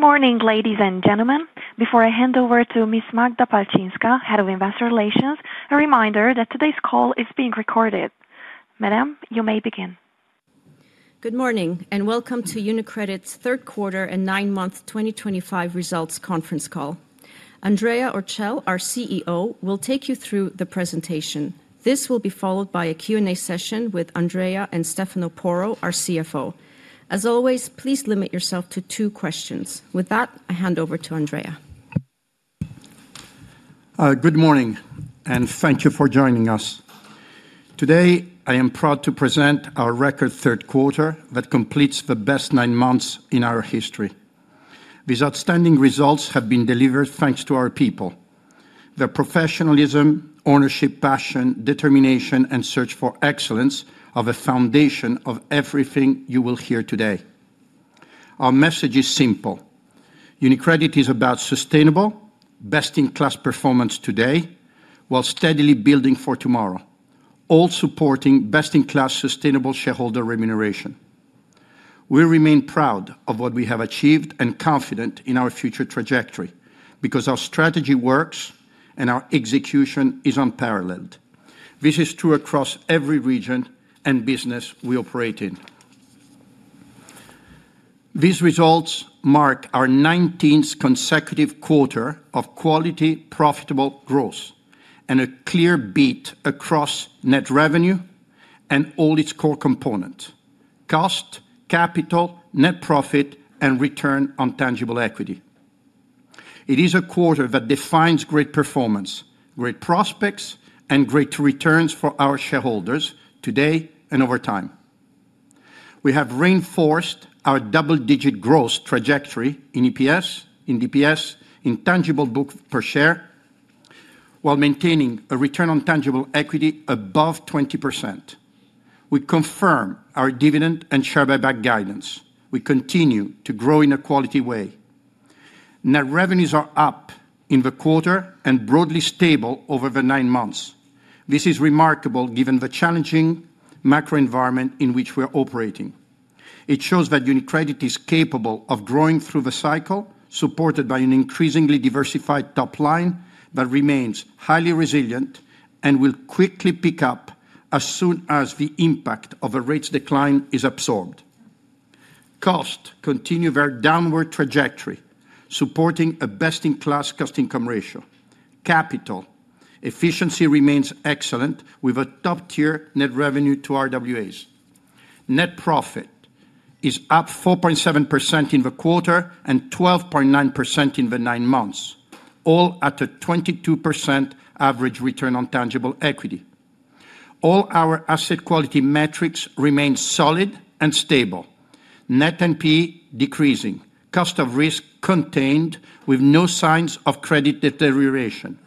Good morning, ladies and gentlemen. Before I hand over to Ms. Magda Pałaczyńska, Head of Investor Relations, a reminder that today's call is being recorded. Madam, you may begin. Good morning, and welcome to UniCredit's third quarter and nine-month 2025 results conference call. Andrea Orcel, our CEO, will take you through the presentation. This will be followed by a Q&A session with Andrea and Stefano Porro, our CFO. As always, please limit yourself to two questions. With that, I hand over to Andrea. Good morning, and thank you for joining us. Today, I am proud to present our record third quarter that completes the best nine months in our history. These outstanding results have been delivered thanks to our people. Their professionalism, ownership, passion, determination, and search for excellence are the foundation of everything you will hear today. Our message is simple. UniCredit is about sustainable, best-in-class performance today while steadily building for tomorrow, all supporting best-in-class sustainable shareholder remuneration. We remain proud of what we have achieved and confident in our future trajectory because our strategy works and our execution is unparalleled. This is true across every region and business we operate in. These results mark our 19th consecutive quarter of quality, profitable growth, and a clear beat across net revenue and all its core components: cost, capital, net profit, and return on tangible equity. It is a quarter that defines great performance, great prospects, and great returns for our shareholders today and over time. We have reinforced our double-digit growth trajectory in EPS, in DPS, in tangible book per share, while maintaining a return on tangible equity above 20%. We confirm our dividend and share buyback guidance. We continue to grow in a quality way. Net revenues are up in the quarter and broadly stable over the nine months. This is remarkable given the challenging macro environment in which we are operating. It shows that UniCredit is capable of growing through the cycle, supported by an increasingly diversified top line that remains highly resilient and will quickly pick up as soon as the impact of a rates decline is absorbed. Costs continue their downward trajectory, supporting a best-in-class cost-to-income ratio. Capital efficiency remains excellent, with a top-tier net revenue to RWAs. Net profit is up 4.7% in the quarter and 12.9% in the nine months, all at a 22% average return on tangible equity. All our asset quality metrics remain solid and stable. Net NP decreasing, cost of risk contained, with no signs of credit deterioration.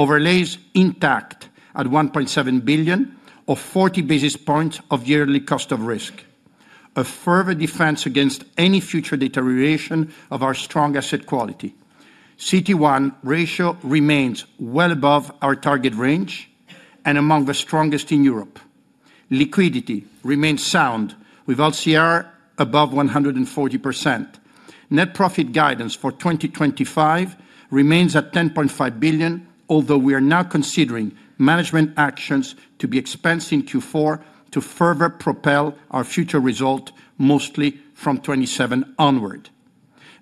Overlays intact at €1.7 billion, or 40 basis points of yearly cost of risk. A further defense against any future deterioration of our strong asset quality. CET1 ratio remains well above our target range and among the strongest in Europe. Liquidity remains sound, with LCR above 140%. Net profit guidance for 2025 remains at €10.5 billion, although we are now considering management actions to be expensed in Q4 to further propel our future result, mostly from 2027 onward.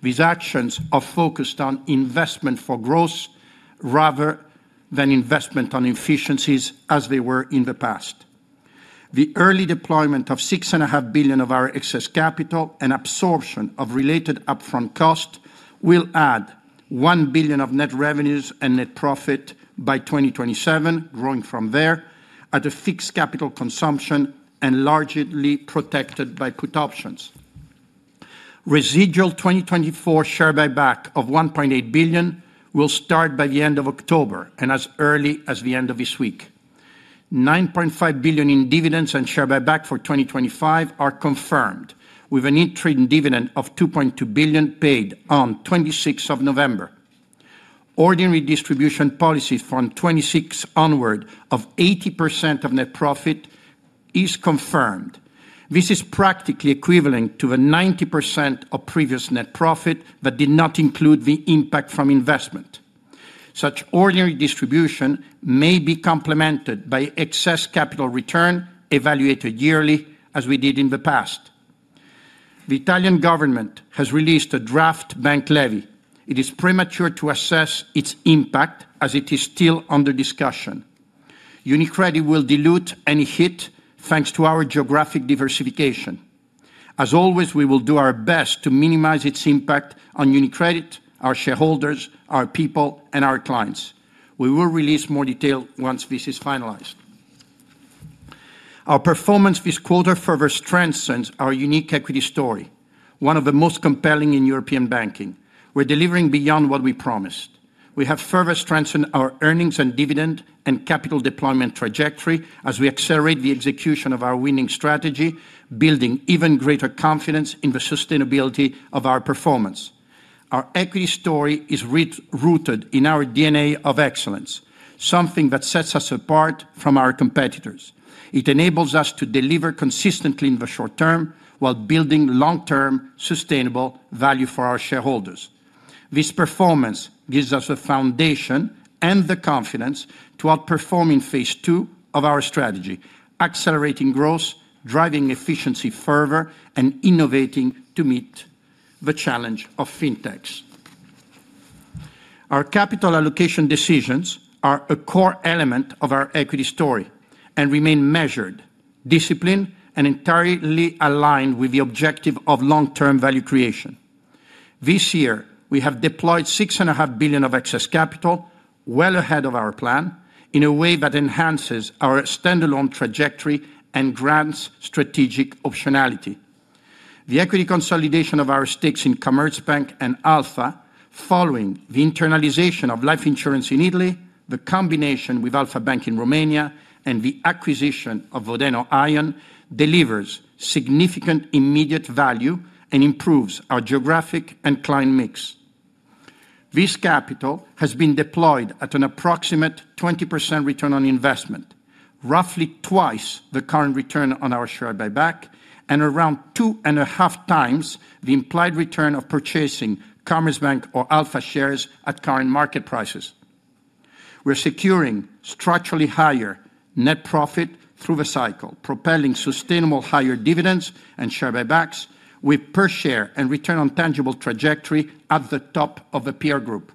These actions are focused on investment for growth rather than investment on efficiencies as they were in the past. The early deployment of €6.5 billion of our excess capital and absorption of related upfront costs will add €1 billion of net revenues and net profit by 2027, growing from there at a fixed capital consumption and largely protected by put options. Residual 2024 share buyback of €1.8 billion will start by the end of October and as early as the end of this week. €9.5 billion in dividends and share buyback for 2025 are confirmed, with an interim dividend of €2.2 billion paid on 26th of November. Ordinary distribution policy from 2026 onward of 80% of net profit is confirmed. This is practically equivalent to the 90% of previous net profit that did not include the impact from investment. Such ordinary distribution may be complemented by excess capital return evaluated yearly, as we did in the past. The Italian government has released a draft bank levy. It is premature to assess its impact as it is still under discussion. UniCredit will dilute any hit thanks to our geographic diversification. As always, we will do our best to minimize its impact on UniCredit, our shareholders, our people, and our clients. We will release more detail once this is finalized. Our performance this quarter further strengthens our unique equity story, one of the most compelling in European banking. We're delivering beyond what we promised. We have further strengthened our earnings and dividend and capital deployment trajectory as we accelerate the execution of our winning strategy, building even greater confidence in the sustainability of our performance. Our equity story is rooted in our DNA of excellence, something that sets us apart from our competitors. It enables us to deliver consistently in the short term while building long-term sustainable value for our shareholders. This performance gives us a foundation and the confidence to outperform in phase two of our strategy, accelerating growth, driving efficiency further, and innovating to meet the challenge of fintechs. Our capital allocation decisions are a core element of our equity story and remain measured, disciplined, and entirely aligned with the objective of long-term value creation. This year, we have deployed €6.5 billion of excess capital, well ahead of our plan, in a way that enhances our standalone trajectory and grants strategic optionality. The equity consolidation of our stakes in Commerzbank and Alpha Bank, following the internalization of Life Insurance in Italy, the combination with Alpha Bank in Romania, and the acquisition of Vodeno Ion delivers significant immediate value and improves our geographic and client mix. This capital has been deployed at an approximate 20% return on investment, roughly twice the current return on our share buyback and around 2.5x the implied return of purchasing Commerzbank or Alpha Bank shares at current market prices. We're securing structurally higher net profit through the cycle, propelling sustainable higher dividends and share buybacks, with per share and return on tangible equity trajectory at the top of the peer group.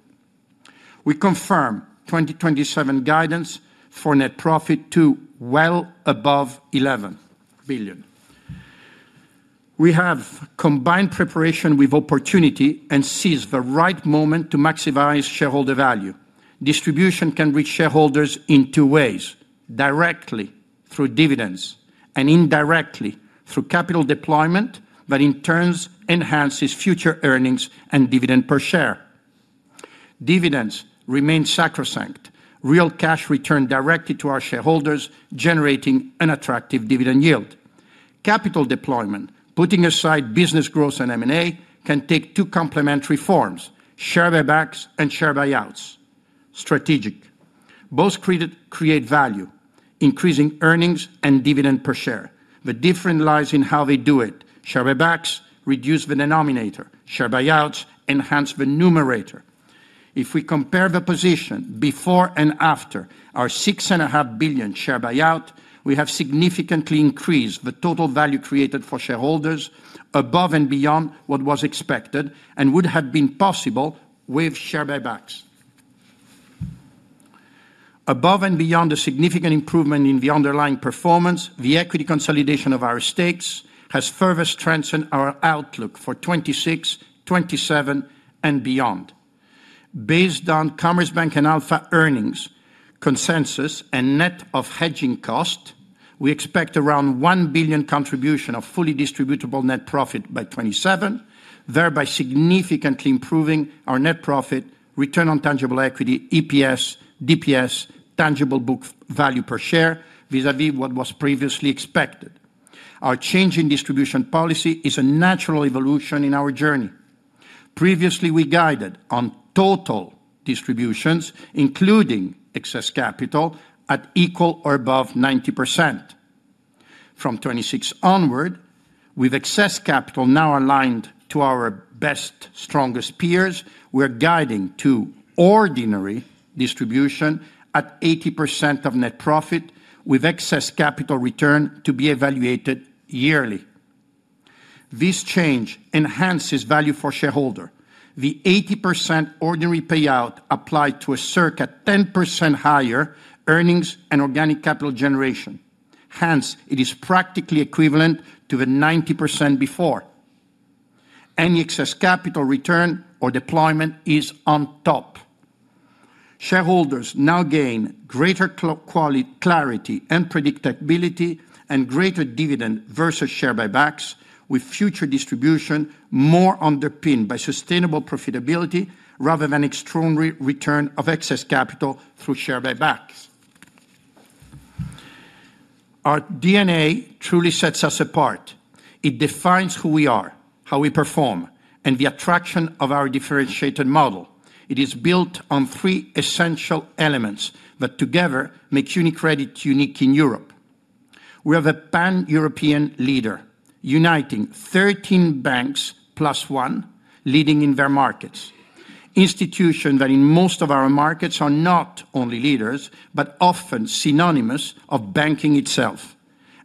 We confirm 2027 guidance for net profit to well above €11 billion. We have combined preparation with opportunity and seize the right moment to maximize shareholder value. Distribution can reach shareholders in two ways: directly through dividends and indirectly through capital deployment that in turn enhances future earnings and dividend per share. Dividends remain sacrosanct. Real cash returned directly to our shareholders, generating an attractive dividend yield. Capital deployment, putting aside business growth and M&A, can take two complementary forms: share buybacks and share buyouts. Strategic. Both create value, increasing earnings and dividend per share. The difference lies in how they do it. Share buybacks reduce the denominator; share buyouts enhance the numerator. If we compare the position before and after our €6.5 billion share buyout, we have significantly increased the total value created for shareholders, above and beyond what was expected and would have been possible with share buybacks. Above and beyond the significant improvement in the underlying performance, the equity consolidation of our stakes has further strengthened our outlook for 2026, 2027, and beyond. Based on Commerzbank and Alpha Bank earnings, consensus, and net of hedging cost, we expect around €1 billion contribution of fully distributable net profit by 2027, thereby significantly improving our net profit, return on tangible equity, EPS, DPS, tangible book value per share, vis-à-vis what was previously expected. Our change in distribution policy is a natural evolution in our journey. Previously, we guided on total distributions, including excess capital, at equal or above 90%. From 2026 onward, with excess capital now aligned to our best, strongest peers, we're guiding to ordinary distribution at 80% of net profit, with excess capital return to be evaluated yearly. This change enhances value for shareholders. The 80% ordinary payout applied to a CERC at 10% higher earnings and organic capital generation. Hence, it is practically equivalent to the 90% before. Any excess capital return or deployment is on top. Shareholders now gain greater quality, clarity, and predictability and greater dividend versus share buybacks, with future distribution more underpinned by sustainable profitability rather than extraordinary return of excess capital through share buybacks. Our DNA truly sets us apart. It defines who we are, how we perform, and the attraction of our differentiated model. It is built on three essential elements that together make UniCredit unique in Europe. We are the pan-European leader, uniting 13 banks plus one, leading in their markets. Institutions that in most of our markets are not only leaders but often synonymous with banking itself,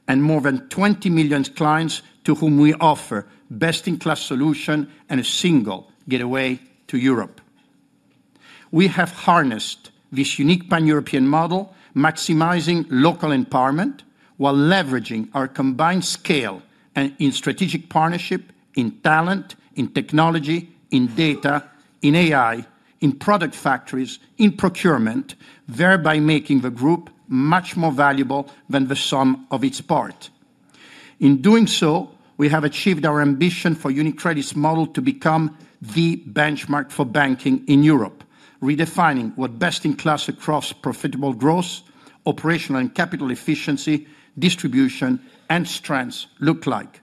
and more than 20 million clients to whom we offer best-in-class solutions and a single gateway to Europe. We have harnessed this unique pan-European model, maximizing local empowerment while leveraging our combined scale in strategic partnership, in talent, in technology, in data, in AI, in product factories, in procurement, thereby making the group much more valuable than the sum of its parts. In doing so, we have achieved our ambition for UniCredit's model to become the benchmark for banking in Europe, redefining what best-in-class across profitable growth, operational and capital efficiency, distribution, and strengths look like.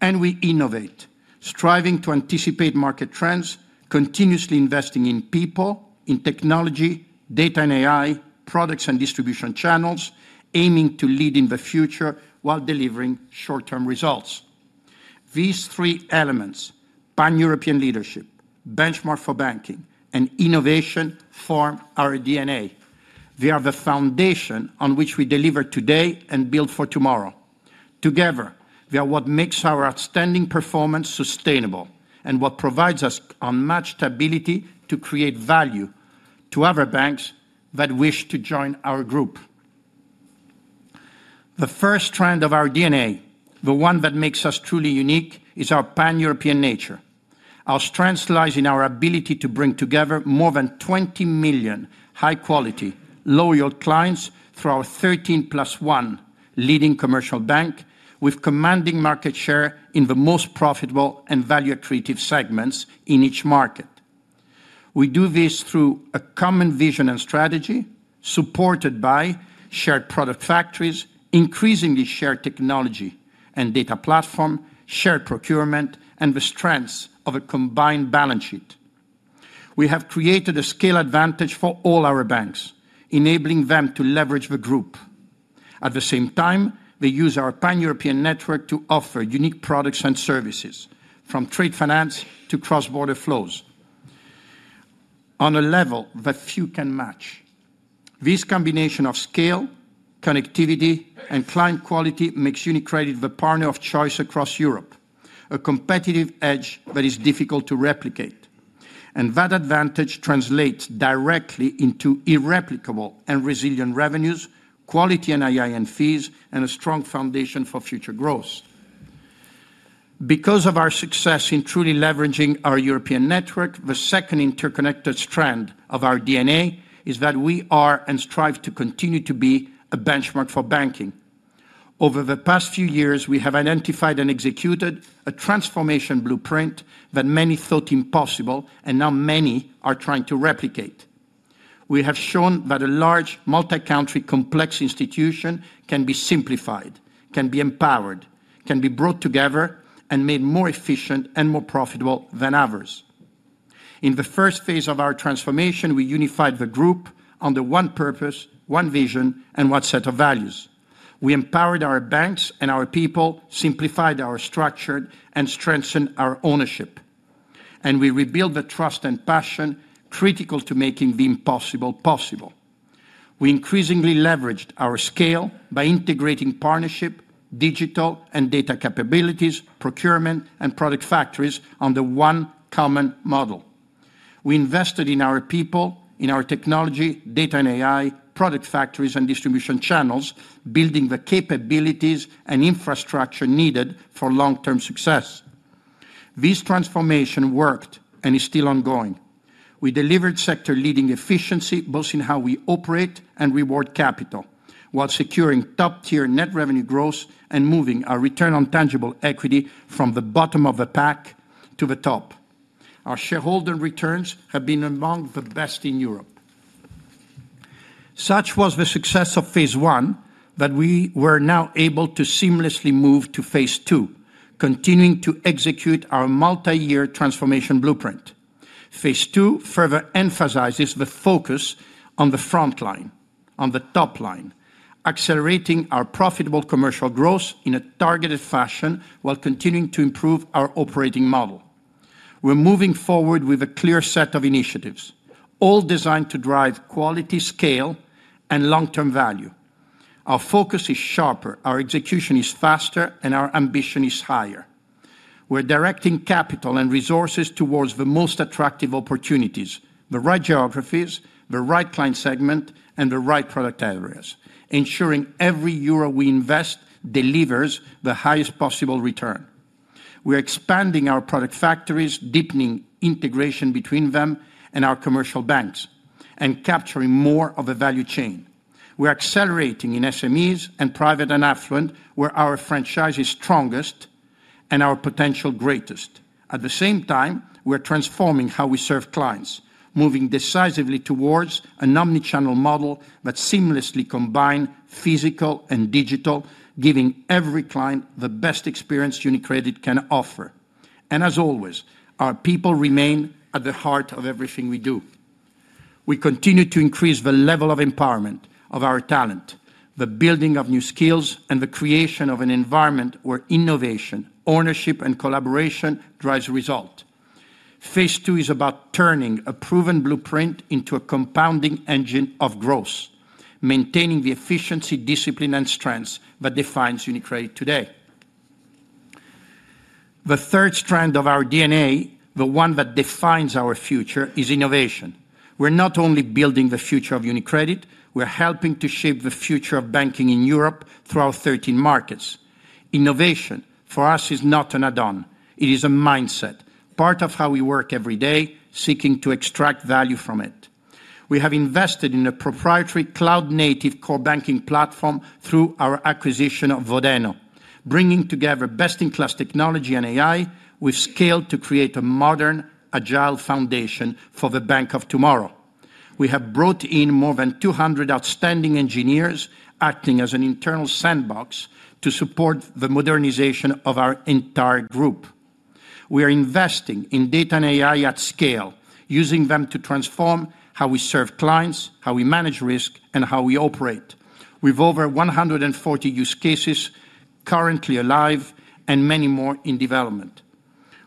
We innovate, striving to anticipate market trends, continuously investing in people, in technology, data and AI, products and distribution channels, aiming to lead in the future while delivering short-term results. These three elements: pan-European leadership, benchmark for banking, and innovation form our DNA. They are the foundation on which we deliver today and build for tomorrow. Together, they are what makes our outstanding performance sustainable and what provides us unmatched ability to create value to other banks that wish to join our group. The first strand of our DNA, the one that makes us truly unique, is our pan-European nature. Our strength lies in our ability to bring together more than 20 million high-quality, loyal clients through our 13 plus one leading commercial bank, with commanding market share in the most profitable and value-accretive segments in each market. We do this through a common vision and strategy, supported by shared product factories, increasingly shared technology and data platform, shared procurement, and the strengths of a combined balance sheet. We have created a scale advantage for all our banks, enabling them to leverage the group. At the same time, they use our pan-European network to offer unique products and services, from trade finance to cross-border flows, on a level that few can match. This combination of scale, connectivity, and client quality makes UniCredit the partner of choice across Europe, a competitive edge that is difficult to replicate. That advantage translates directly into irreplicable and resilient revenues, quality and NII fees, and a strong foundation for future growth. Because of our success in truly leveraging our European network, the second interconnected strand of our DNA is that we are and strive to continue to be a benchmark for banking. Over the past few years, we have identified and executed a transformation blueprint that many thought impossible and now many are trying to replicate. We have shown that a large multi-country, complex institution can be simplified, can be empowered, can be brought together, and made more efficient and more profitable than others. In the first phase of our transformation, we unified the group under one purpose, one vision, and one set of values. We empowered our banks and our people, simplified our structure, and strengthened our ownership. We rebuilt the trust and passion critical to making the impossible possible. We increasingly leveraged our scale by integrating partnership, digital and data capabilities, procurement, and product factories under one common model. We invested in our people, in our technology, data and AI, product factories, and distribution channels, building the capabilities and infrastructure needed for long-term success. This transformation worked and is still ongoing. We delivered sector-leading efficiency both in how we operate and reward capital, while securing top-tier net revenue growth and moving our return on tangible equity from the bottom of the pack to the top. Our shareholder returns have been among the best in Europe. Such was the success of phase one that we were now able to seamlessly move to phase two, continuing to execute our multi-year transformation blueprint. Phase two further emphasizes the focus on the front line, on the top line, accelerating our profitable commercial growth in a targeted fashion while continuing to improve our operating model. We're moving forward with a clear set of initiatives, all designed to drive quality, scale, and long-term value. Our focus is sharper, our execution is faster, and our ambition is higher. We're directing capital and resources towards the most attractive opportunities, the right geographies, the right client segment, and the right product areas, ensuring every euro we invest delivers the highest possible return. We're expanding our product factories, deepening integration between them and our commercial banks, and capturing more of the value chain. We're accelerating in SMEs and private and affluent, where our franchise is strongest and our potential greatest. At the same time, we're transforming how we serve clients, moving decisively towards an omnichannel model that seamlessly combines physical and digital, giving every client the best experience UniCredit can offer. As always, our people remain at the heart of everything we do. We continue to increase the level of empowerment of our talent, the building of new skills, and the creation of an environment where innovation, ownership, and collaboration drive results. Phase two is about turning a proven blueprint into a compounding engine of growth, maintaining the efficiency, discipline, and strengths that define UniCredit today. The third strand of our DNA, the one that defines our future, is innovation. We're not only building the future of UniCredit, we're helping to shape the future of banking in Europe through our 13 markets. Innovation for us is not an add-on. It is a mindset, part of how we work every day, seeking to extract value from it. We have invested in a proprietary cloud-native core banking platform through our acquisition of Vodeno, bringing together best-in-class technology and AI, with scale to create a modern, agile foundation for the bank of tomorrow. We have brought in more than 200 outstanding engineers acting as an internal sandbox to support the modernization of our entire group. We are investing in data and AI at scale, using them to transform how we serve clients, how we manage risk, and how we operate, with over 140 use cases currently alive and many more in development.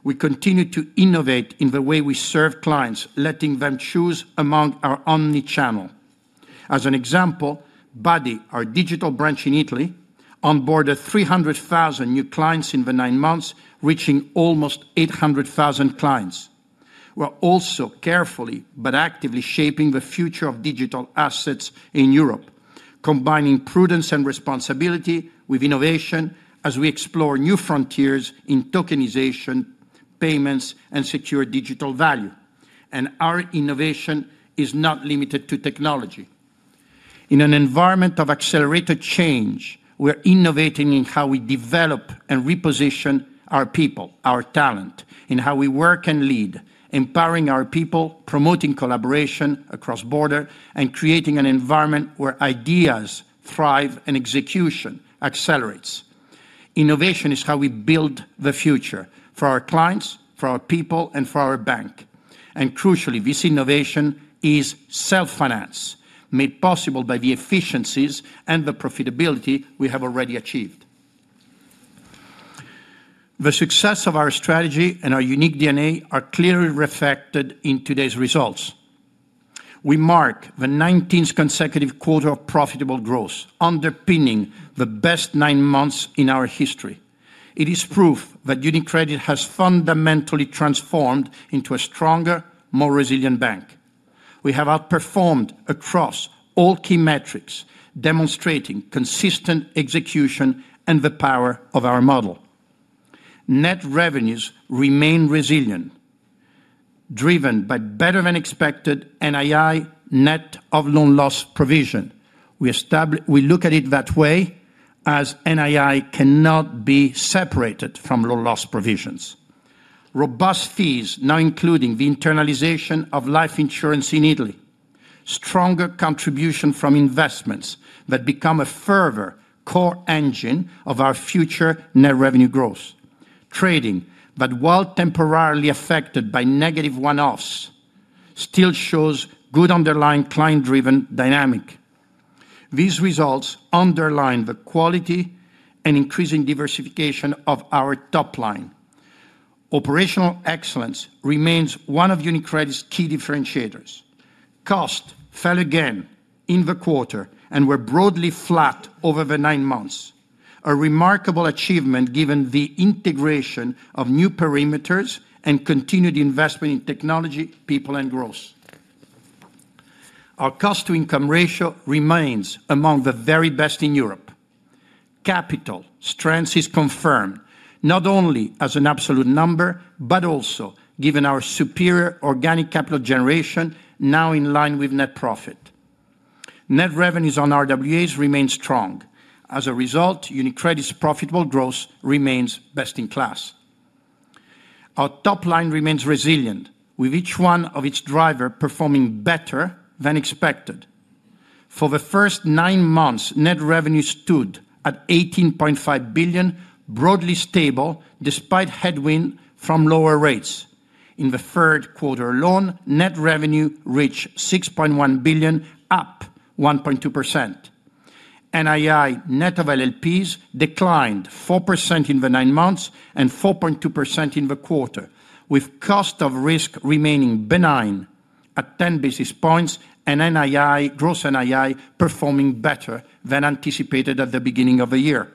We continue to innovate in the way we serve clients, letting them choose among our omnichannel. As an example, Buddy, our digital branch in Italy, onboarded 300,000 new clients in the nine months, reaching almost 800,000 clients. We're also carefully but actively shaping the future of digital assets in Europe, combining prudence and responsibility with innovation as we explore new frontiers in tokenization, payments, and secure digital value. Our innovation is not limited to technology. In an environment of accelerated change, we're innovating in how we develop and reposition our people, our talent, in how we work and lead, empowering our people, promoting collaboration across borders, and creating an environment where ideas thrive and execution accelerates. Innovation is how we build the future for our clients, for our people, and for our bank. Crucially, this innovation is self-financed, made possible by the efficiencies and the profitability we have already achieved. The success of our strategy and our unique DNA are clearly reflected in today's results. We mark the 19th consecutive quarter of profitable growth, underpinning the best nine months in our history. It is proof that UniCredit has fundamentally transformed into a stronger, more resilient bank. We have outperformed across all key metrics, demonstrating consistent execution and the power of our model. Net revenues remain resilient, driven by better-than-expected NII, net of loan loss provision. We look at it that way, as NII cannot be separated from loan loss provisions. Robust fees, now including the internalization of Life Insurance in Italy, stronger contribution from investments that become a further core engine of our future net revenue growth. Trading, while temporarily affected by negative one-offs, still shows good underlying client-driven dynamic. These results underline the quality and increasing diversification of our top line. Operational excellence remains one of UniCredit's key differentiators. Cost fell again in the quarter and were broadly flat over the nine months, a remarkable achievement given the integration of new perimeters and continued investment in technology, people, and growth. Our cost-to-income ratio remains among the very best in Europe. Capital strength is confirmed, not only as an absolute number but also given our superior organic capital generation, now in line with net profit. Net revenues on RWAs remain strong. As a result, UniCredit's profitable growth remains best-in-class. Our top line remains resilient, with each one of its drivers performing better than expected. For the first nine months, net revenue stood at €18.5 billion, broadly stable despite headwind from lower rates. In the third quarter alone, net revenue reached €6.1 billion, up 1.2%. NII, net of LLPs, declined 4% in the nine months and 4.2% in the quarter, with cost of risk remaining benign at 10 basis points and gross NII performing better than anticipated at the beginning of the year.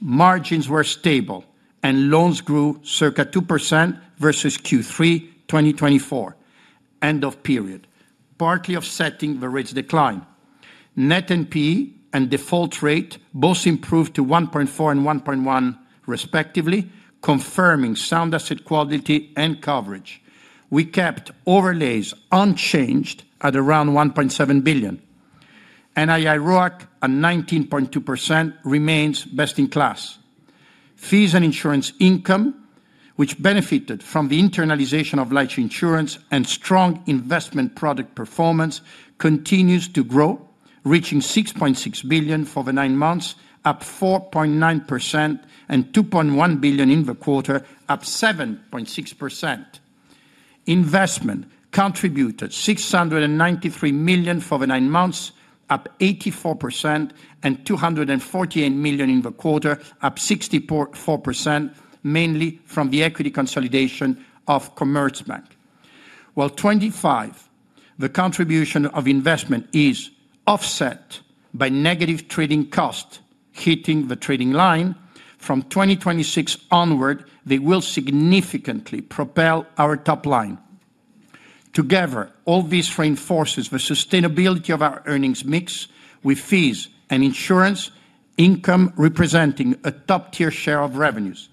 Margins were stable and loans grew circa 2% versus Q3 2024, end of period, partly offsetting the rates decline. Net NP and default rate both improved to 1.4% and 1.1%, respectively, confirming sound asset quality and coverage. We kept overlays unchanged at around €1.7 billion. NII ROIC at 19.2% remains best-in-class. Fees and insurance income, which benefited from the internalization of Life Insurance and strong investment product performance, continues to grow, reaching €6.6 billion for the nine months, up 4.9%, and €2.1 billion in the quarter, up 7.6%. Investment contributed €693 million for the nine months, up 84%, and €248 million in the quarter, up 64%, mainly from the equity consolidation of Commerzbank. While 25% of the contribution of investment is offset by negative trading costs hitting the trading line, from 2026 onward, they will significantly propel our top line. Together, all this reinforces the sustainability of our earnings mix with fees and insurance income representing a top-tier share of revenues.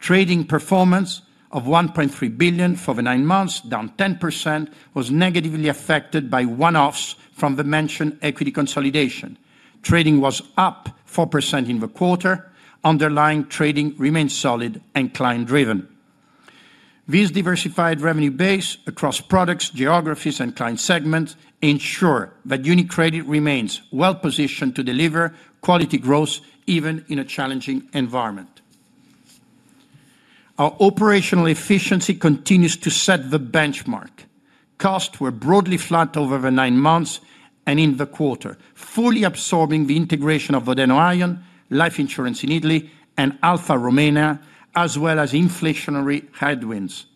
Trading performance of €1.3 billion for the nine months, down 10%, was negatively affected by one-offs from the mentioned equity consolidation. Trading was up 4% in the quarter. Underlying trading remains solid and client-driven. This diversified revenue base across products, geographies, and client segments ensures that UniCredit remains well-positioned to deliver quality growth even in a challenging environment. Our operational efficiency continues to set the benchmark. Costs were broadly flat over the nine months and in the quarter, fully absorbing the integration of Vodeno Ion, Life Insurance in Italy, and Alpha Bank Romania, as well as inflationary headwinds.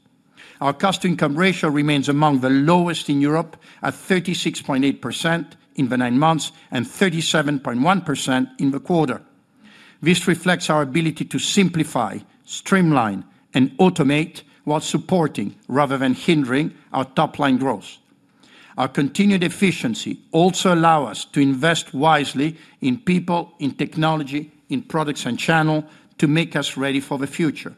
Our cost-to-income ratio remains among the lowest in Europe at 36.8% in the nine months and 37.1% in the quarter. This reflects our ability to simplify, streamline, and automate while supporting rather than hindering our top-line growth. Our continued efficiency also allows us to invest wisely in people, in technology, in products and channels to make us ready for the future.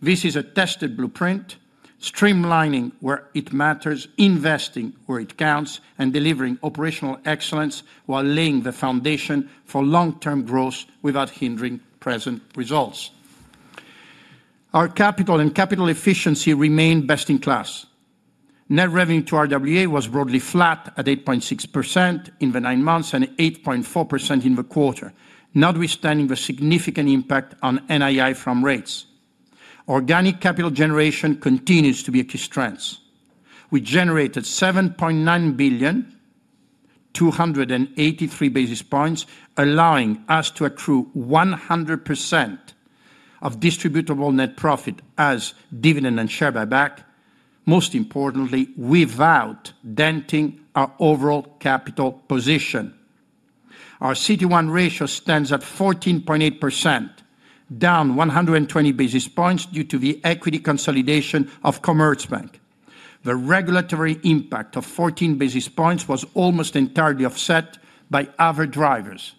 This is a tested blueprint, streamlining where it matters, investing where it counts, and delivering operational excellence while laying the foundation for long-term growth without hindering present results. Our capital and capital efficiency remain best-in-class. Net revenue to RWA was broadly flat at 8.6% in the nine months and 8.4% in the quarter, notwithstanding the significant impact on NII from rates. Organic capital generation continues to be a key strength. We generated €7.9 billion, 283 basis points, allowing us to accrue 100% of distributable net profit as dividend and share buyback, most importantly, without denting our overall capital position. Our CET1 ratio stands at 14.8%, down 120 basis points due to the equity consolidation of Commerzbank. The regulatory impact of 14 basis points was almost entirely offset by other drivers.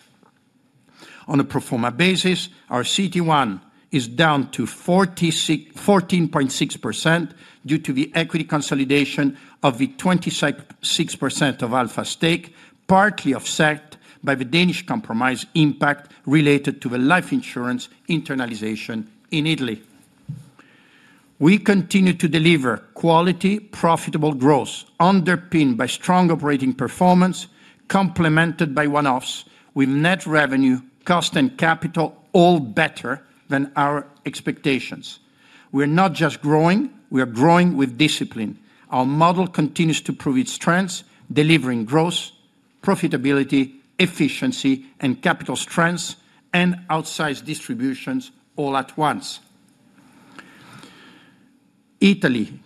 On a pro forma basis, our CET1 is down to 14.6% due to the equity consolidation of the 26.6% of Alpha Bank stake, partly offset by the Danish compromise impact related to the internalization of Life Insurance in Italy. We continue to deliver quality, profitable growth underpinned by strong operating performance, complemented by one-offs, with net revenue, cost, and capital all better than our expectations. We're not just growing. We are growing with discipline. Our model continues to prove its strengths, delivering growth, profitability, efficiency, and capital strengths, and outsized distributions all at once. Italy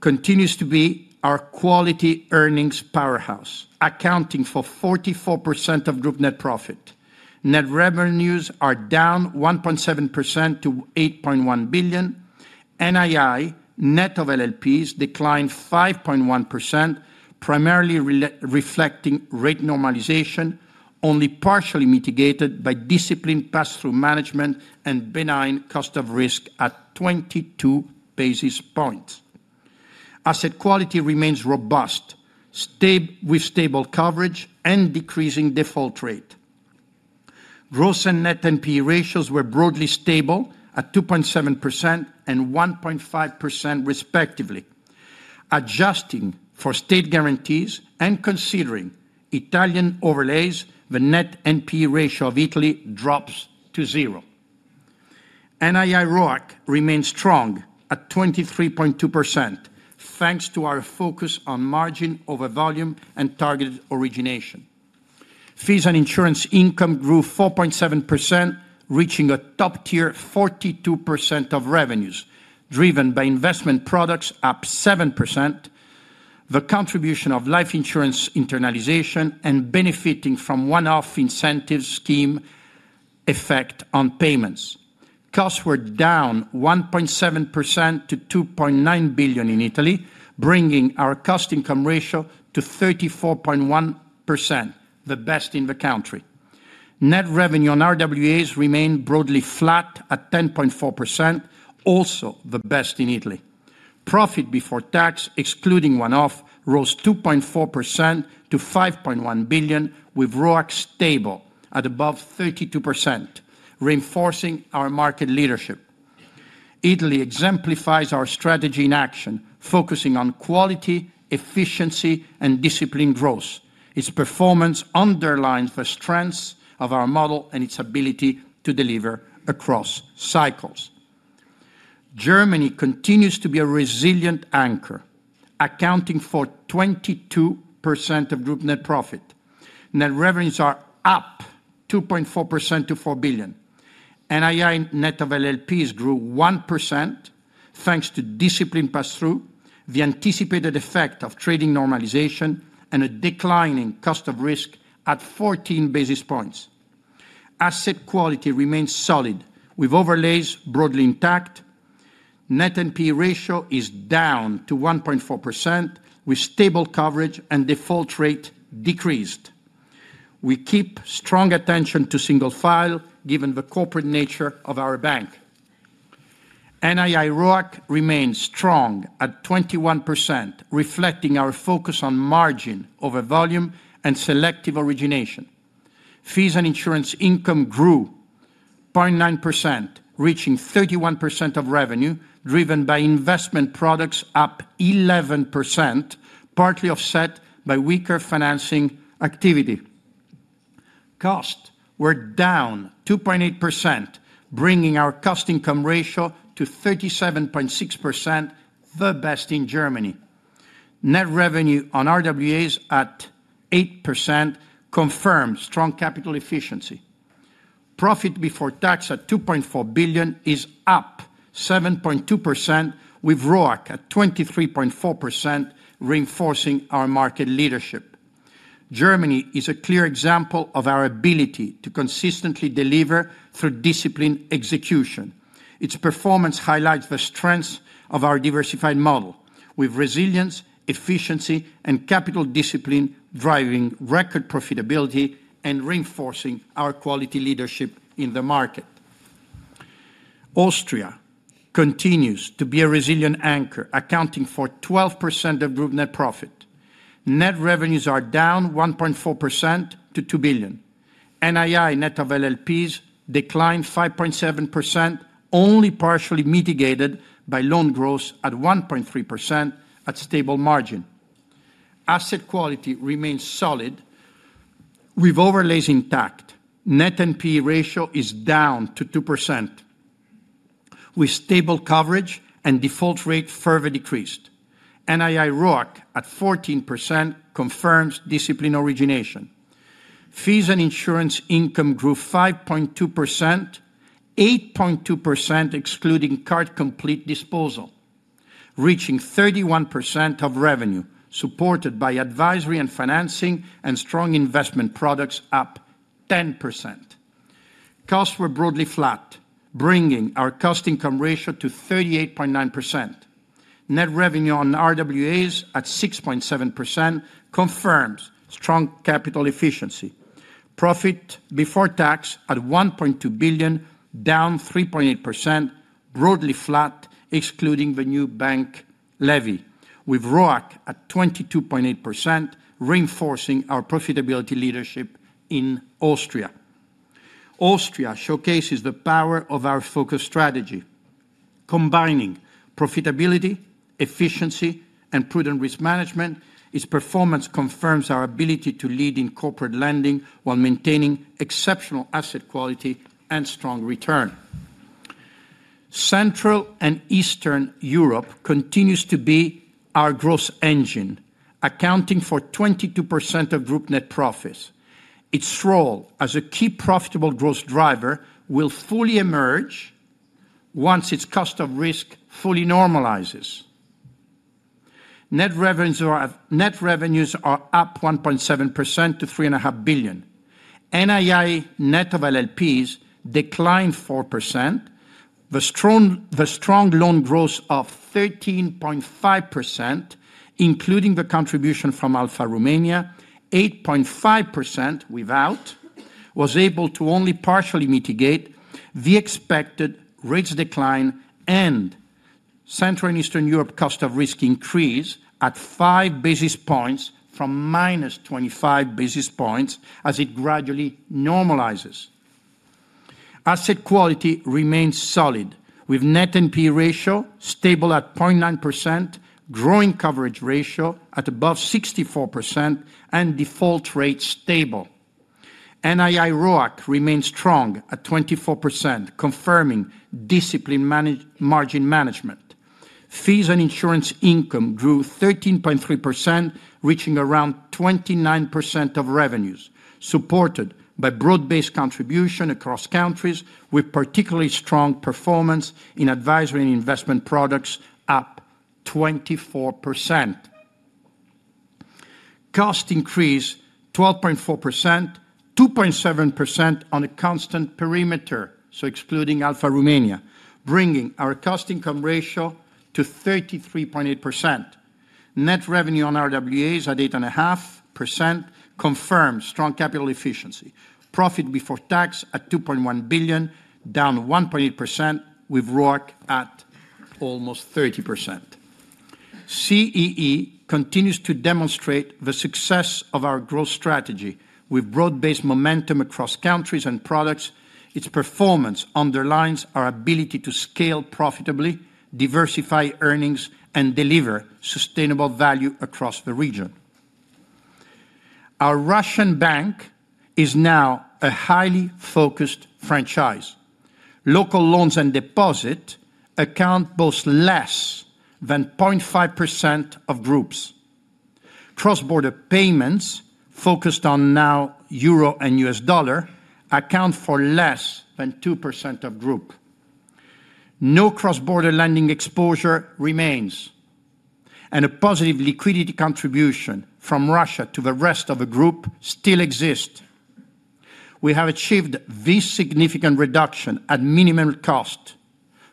continues to be our quality earnings powerhouse, accounting for 44% of group net profit. Net revenues are down 1.7% to €8.1 billion. NII, net of LLPs, declined 5.1%, primarily reflecting rate normalization, only partially mitigated by discipline pass-through management and benign cost of risk at 22 basis points. Asset quality remains robust, with stable coverage and decreasing default rate. Gross and net NPE ratios were broadly stable at 2.7% and 1.5%, respectively. Adjusting for state guarantees and considering Italian overlays, the net NPE ratio of Italy drops to zero. NII ROIC remains strong at 23.2%, thanks to our focus on margin over volume and targeted origination. Fees and insurance income grew 4.7%, reaching a top-tier 42% of revenues, driven by investment products up 7%, the contribution of Life Insurance internalization, and benefiting from one-off incentive scheme effect on payments. Costs were down 1.7% to €2.9 billion in Italy, bringing our cost-to-income ratio to 34.1%, the best in the country. Net revenue on RWAs remained broadly flat at 10.4%, also the best in Italy. Profit before tax, excluding one-off, rose 2.4% to €5.1 billion, with ROIC stable at above 32%, reinforcing our market leadership. Italy exemplifies our strategy in action, focusing on quality, efficiency, and disciplined growth. Its performance underlines the strengths of our model and its ability to deliver across cycles. Germany continues to be a resilient anchor, accounting for 22% of group net profit. Net revenues are up 2.4% to €4 billion. NII net of LLPs grew 1%, thanks to discipline pass-through, the anticipated effect of trading normalization, and a decline in cost of risk at 14 basis points. Asset quality remains solid, with overlays broadly intact. Net NPE ratio is down to 1.4%, with stable coverage and default rate decreased. We keep strong attention to single file, given the corporate nature of our bank. NII ROIC remains strong at 21%, reflecting our focus on margin over volume and selective origination. Fees and insurance income grew 0.9%, reaching 31% of revenue, driven by investment products up 11%, partly offset by weaker financing activity. Costs were down 2.8%, bringing our cost-to-income ratio to 37.6%, the best in Germany. Net revenue on RWAs at 8% confirms strong capital efficiency. Profit before tax at €2.4 billion is up 7.2%, with ROIC at 23.4%, reinforcing our market leadership. Germany is a clear example of our ability to consistently deliver through disciplined execution. Its performance highlights the strengths of our diversified model, with resilience, efficiency, and capital discipline driving record profitability and reinforcing our quality leadership in the market. Austria continues to be a resilient anchor, accounting for 12% of group net profit. Net revenues are down 1.4% to €2 billion. NII net of LLPs declined 5.7%, only partially mitigated by loan growth at 1.3% at stable margin. Asset quality remains solid, with overlays intact. Net NPE ratio is down to 2%, with stable coverage and default rate further decreased. NII ROIC at 14% confirms disciplined origination. Fees and insurance income grew 5.2%, 8.2% excluding card complete disposal, reaching 31% of revenue, supported by advisory and financing and strong investment products up 10%. Costs were broadly flat, bringing our cost-to-income ratio to 38.9%. Net revenue on RWAs at 6.7% confirms strong capital efficiency. Profit before tax at €1.2 billion, down 3.8%, broadly flat excluding the new bank levy, with ROIC at 22.8%, reinforcing our profitability leadership in Austria. Austria showcases the power of our focused strategy, combining profitability, efficiency, and prudent risk management. Its performance confirms our ability to lead in corporate lending while maintaining exceptional asset quality and strong return. Central and Eastern Europe continues to be our growth engine, accounting for 22% of group net profits. Its role as a key profitable growth driver will fully emerge once its cost of risk fully normalizes. Net revenues are up 1.7% to €3.5 billion. NII net of LLPs declined 4%, the strong loan growth of 13.5%, including the contribution from Alpha Bank Romania, 8.5% without, was able to only partially mitigate the expected rates decline and Central and Eastern Europe cost of risk increase at 5 basis points from minus 25 basis points as it gradually normalizes. Asset quality remains solid, with net NPE ratio stable at 0.9%, growing coverage ratio at above 64%, and default rate stable. NII ROIC remains strong at 24%, confirming disciplined margin management. Fees and insurance income grew 13.3%, reaching around 29% of revenues, supported by broad-based contribution across countries, with particularly strong performance in advisory and investment products up 24%. Costs increased 12.4%, 2.7% on a constant perimeter, so excluding Alpha Bank Romania, bringing our cost-to-income ratio to 33.8%. Net revenue on RWAs at 8.5% confirms strong capital efficiency. Profit before tax at €2.1 billion, down 1.8%, with ROIC at almost 30%. CEE continues to demonstrate the success of our growth strategy, with broad-based momentum across countries and products. Its performance underlines our ability to scale profitably, diversify earnings, and deliver sustainable value across the region. Our Russian bank is now a highly focused franchise. Local loans and deposits account both less than 0.5% of group. Cross-border payments focused on now euro and U.S. dollar account for less than 2% of group. No cross-border lending exposure remains, and a positive liquidity contribution from Russia to the rest of the group still exists. We have achieved this significant reduction at minimum cost,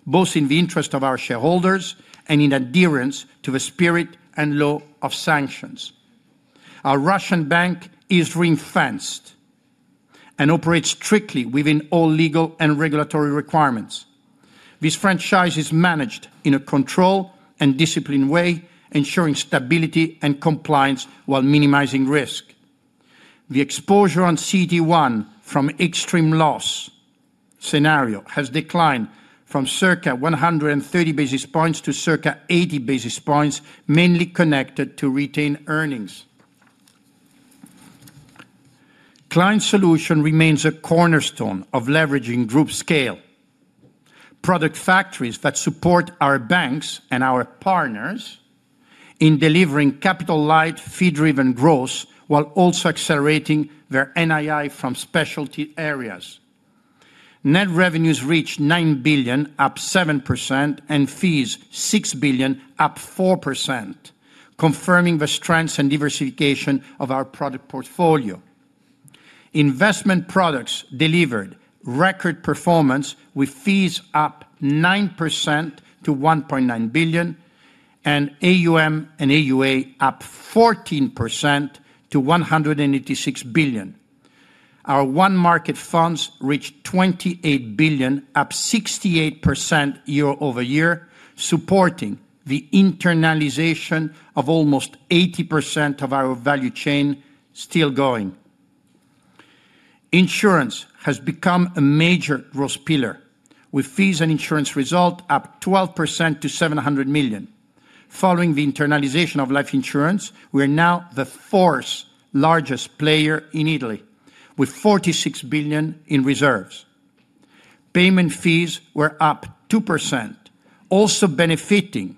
both in the interest of our shareholders and in adherence to the spirit and law of sanctions. Our Russian bank is ring-fenced and operates strictly within all legal and regulatory requirements. This franchise is managed in a controlled and disciplined way, ensuring stability and compliance while minimizing risk. The exposure on CET1 from extreme loss scenario has declined from circa 130 basis points to circa 80 basis points, mainly connected to retained earnings. Client solution remains a cornerstone of leveraging group scale. Product factories that support our banks and our partners in delivering capital-light, fee-driven growth while also accelerating their NII from specialty areas. Net revenues reach €9 billion, up 7%, and fees €6 billion, up 4%, confirming the strengths and diversification of our product portfolio. Investment products delivered record performance, with fees up 9% to €1.9 billion and AUM and AUA up 14% to €186 billion. Our one-market funds reached €28 billion, up 68% year-over-year, supporting the internalization of almost 80% of our value chain still going. Insurance has become a major growth pillar, with fees and insurance result up 12% to €700 million. Following the internalization of Life Insurance, we are now the fourth largest player in Italy, with €46 billion in reserves. Payment fees were up 2%, also benefiting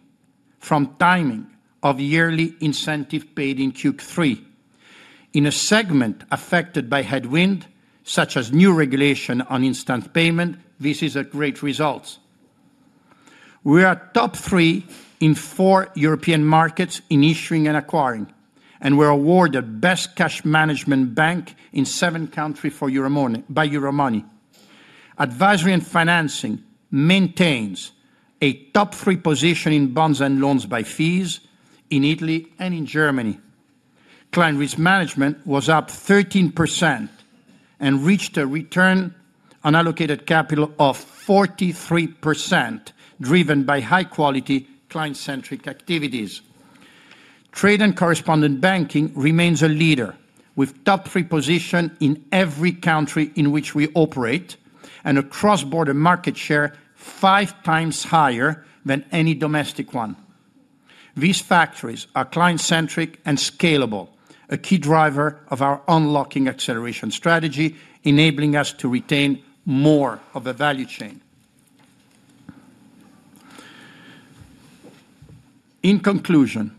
from timing of yearly incentive paid in Q3. In a segment affected by headwind, such as new regulation on instant payment, this is a great result. We are top three in four European markets in issuing and acquiring, and we're awarded Best Cash Management Bank in seven countries by Euromoney. Advisory and financing maintains a top three position in bonds and loans by fees in Italy and in Germany. Client risk management was up 13% and reached a return on allocated capital of 43%, driven by high-quality client-centric activities. Trade and correspondent banking remains a leader, with top three position in every country in which we operate and a cross-border market share five times higher than any domestic one. These factories are client-centric and scalable, a key driver of our unlocking acceleration strategy, enabling us to retain more of a value chain. In conclusion,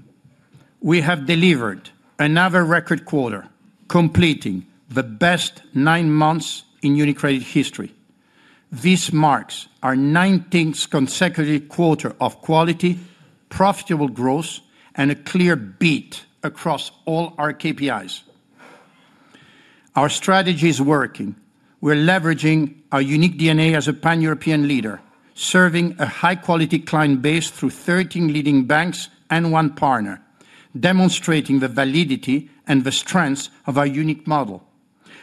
we have delivered another record quarter, completing the best nine months in UniCredit history. This marks our 19th consecutive quarter of quality, profitable growth, and a clear beat across all our KPIs. Our strategy is working. We're leveraging our unique DNA as a pan-European leader, serving a high-quality client base through 13 leading banks and one partner, demonstrating the validity and the strengths of our unique model,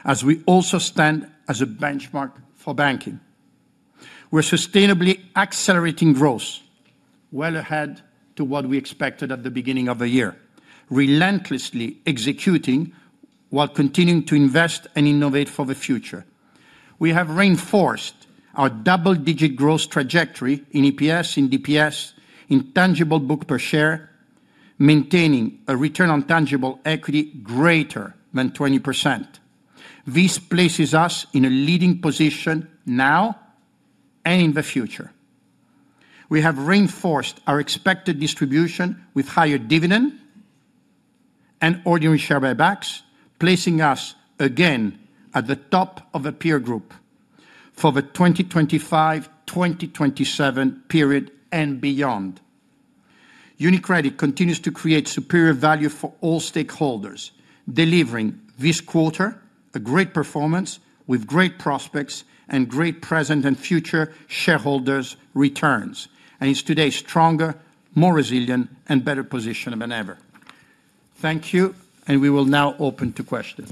as we also stand as a benchmark for banking. We're sustainably accelerating growth, well ahead to what we expected at the beginning of the year, relentlessly executing while continuing to invest and innovate for the future. We have reinforced our double-digit growth trajectory in EPS and DPS, intangible book per share, maintaining a return on tangible equity greater than 20%. This places us in a leading position now and in the future. We have reinforced our expected distribution with higher dividend and ordinary share buybacks, placing us again at the top of the peer group for the 2025-2027 period and beyond. UniCredit continues to create superior value for all stakeholders, delivering this quarter a great performance with great prospects and great present and future shareholders' returns, and it's today stronger, more resilient, and better positioned than ever. Thank you, and we will now open to questions.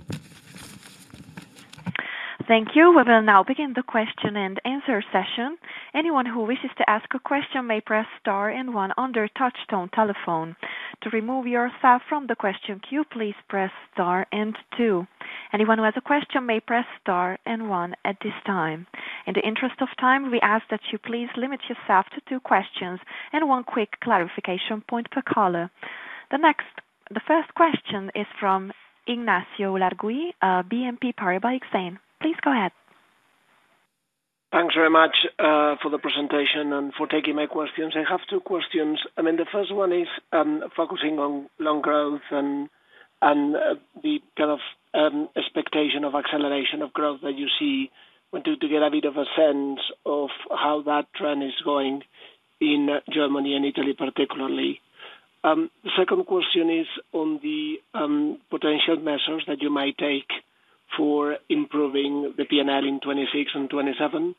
Thank you. We will now begin the question and answer session. Anyone who wishes to ask a question may press star and one on their touch-tone telephone. To remove yourself from the question queue, please press star and two. Anyone who has a question may press star and one at this time. In the interest of time, we ask that you please limit yourself to two questions and one quick clarification point per caller. The first question is from Ignacio Ulargui, at BNP Paribas. Please go ahead. Thanks very much for the presentation and for taking my questions. I have two questions. The first one is focusing on loan growth and the kind of expectation of acceleration of growth that you see when you get a bit of a sense of how that trend is going in Germany and Italy particularly. The second question is on the potential measures that you might take for improving the P&L in 2026 and 2027.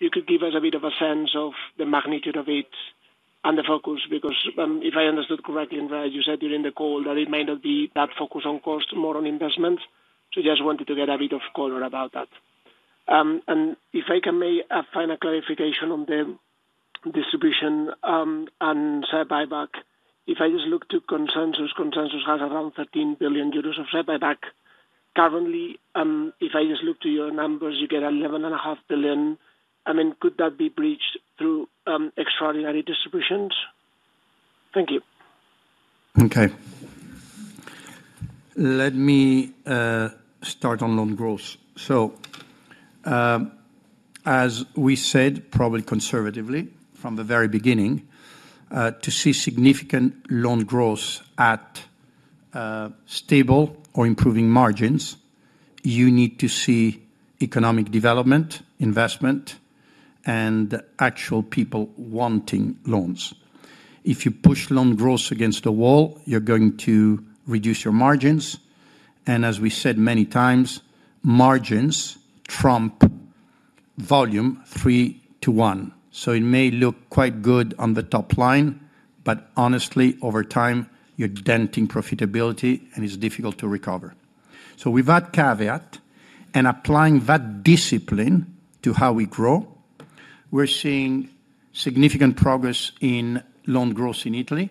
You could give us a bit of a sense of the magnitude of it and the focus because, if I understood correctly, you said during the call that it may not be that focused on cost, more on investments. I just wanted to get a bit of color about that. If I can make a final clarification on the distribution and share buyback, if I just look to consensus, consensus has around €13 billion of share buyback. Currently, if I just look to your numbers, you get €11.5 billion. Could that be breached through extraordinary distributions? Thank you. Okay. Let me start on loan growth. As we said, probably conservatively from the very beginning, to see significant loan growth at stable or improving margins, you need to see economic development, investment, and actual people wanting loans. If you push loan growth against the wall, you're going to reduce your margins. As we said many times, margins trump volume three to one. It may look quite good on the top line, but honestly, over time, you're denting profitability and it's difficult to recover. With that caveat and applying that discipline to how we grow, we're seeing significant progress in loan growth in Italy,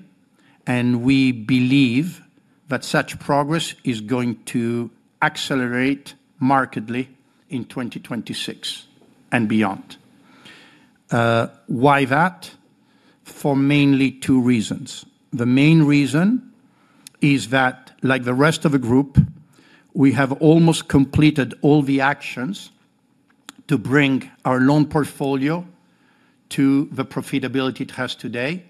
and we believe that such progress is going to accelerate markedly in 2026 and beyond. Why that? For mainly two reasons. The main reason is that, like the rest of the group, we have almost completed all the actions to bring our loan portfolio to the profitability it has today,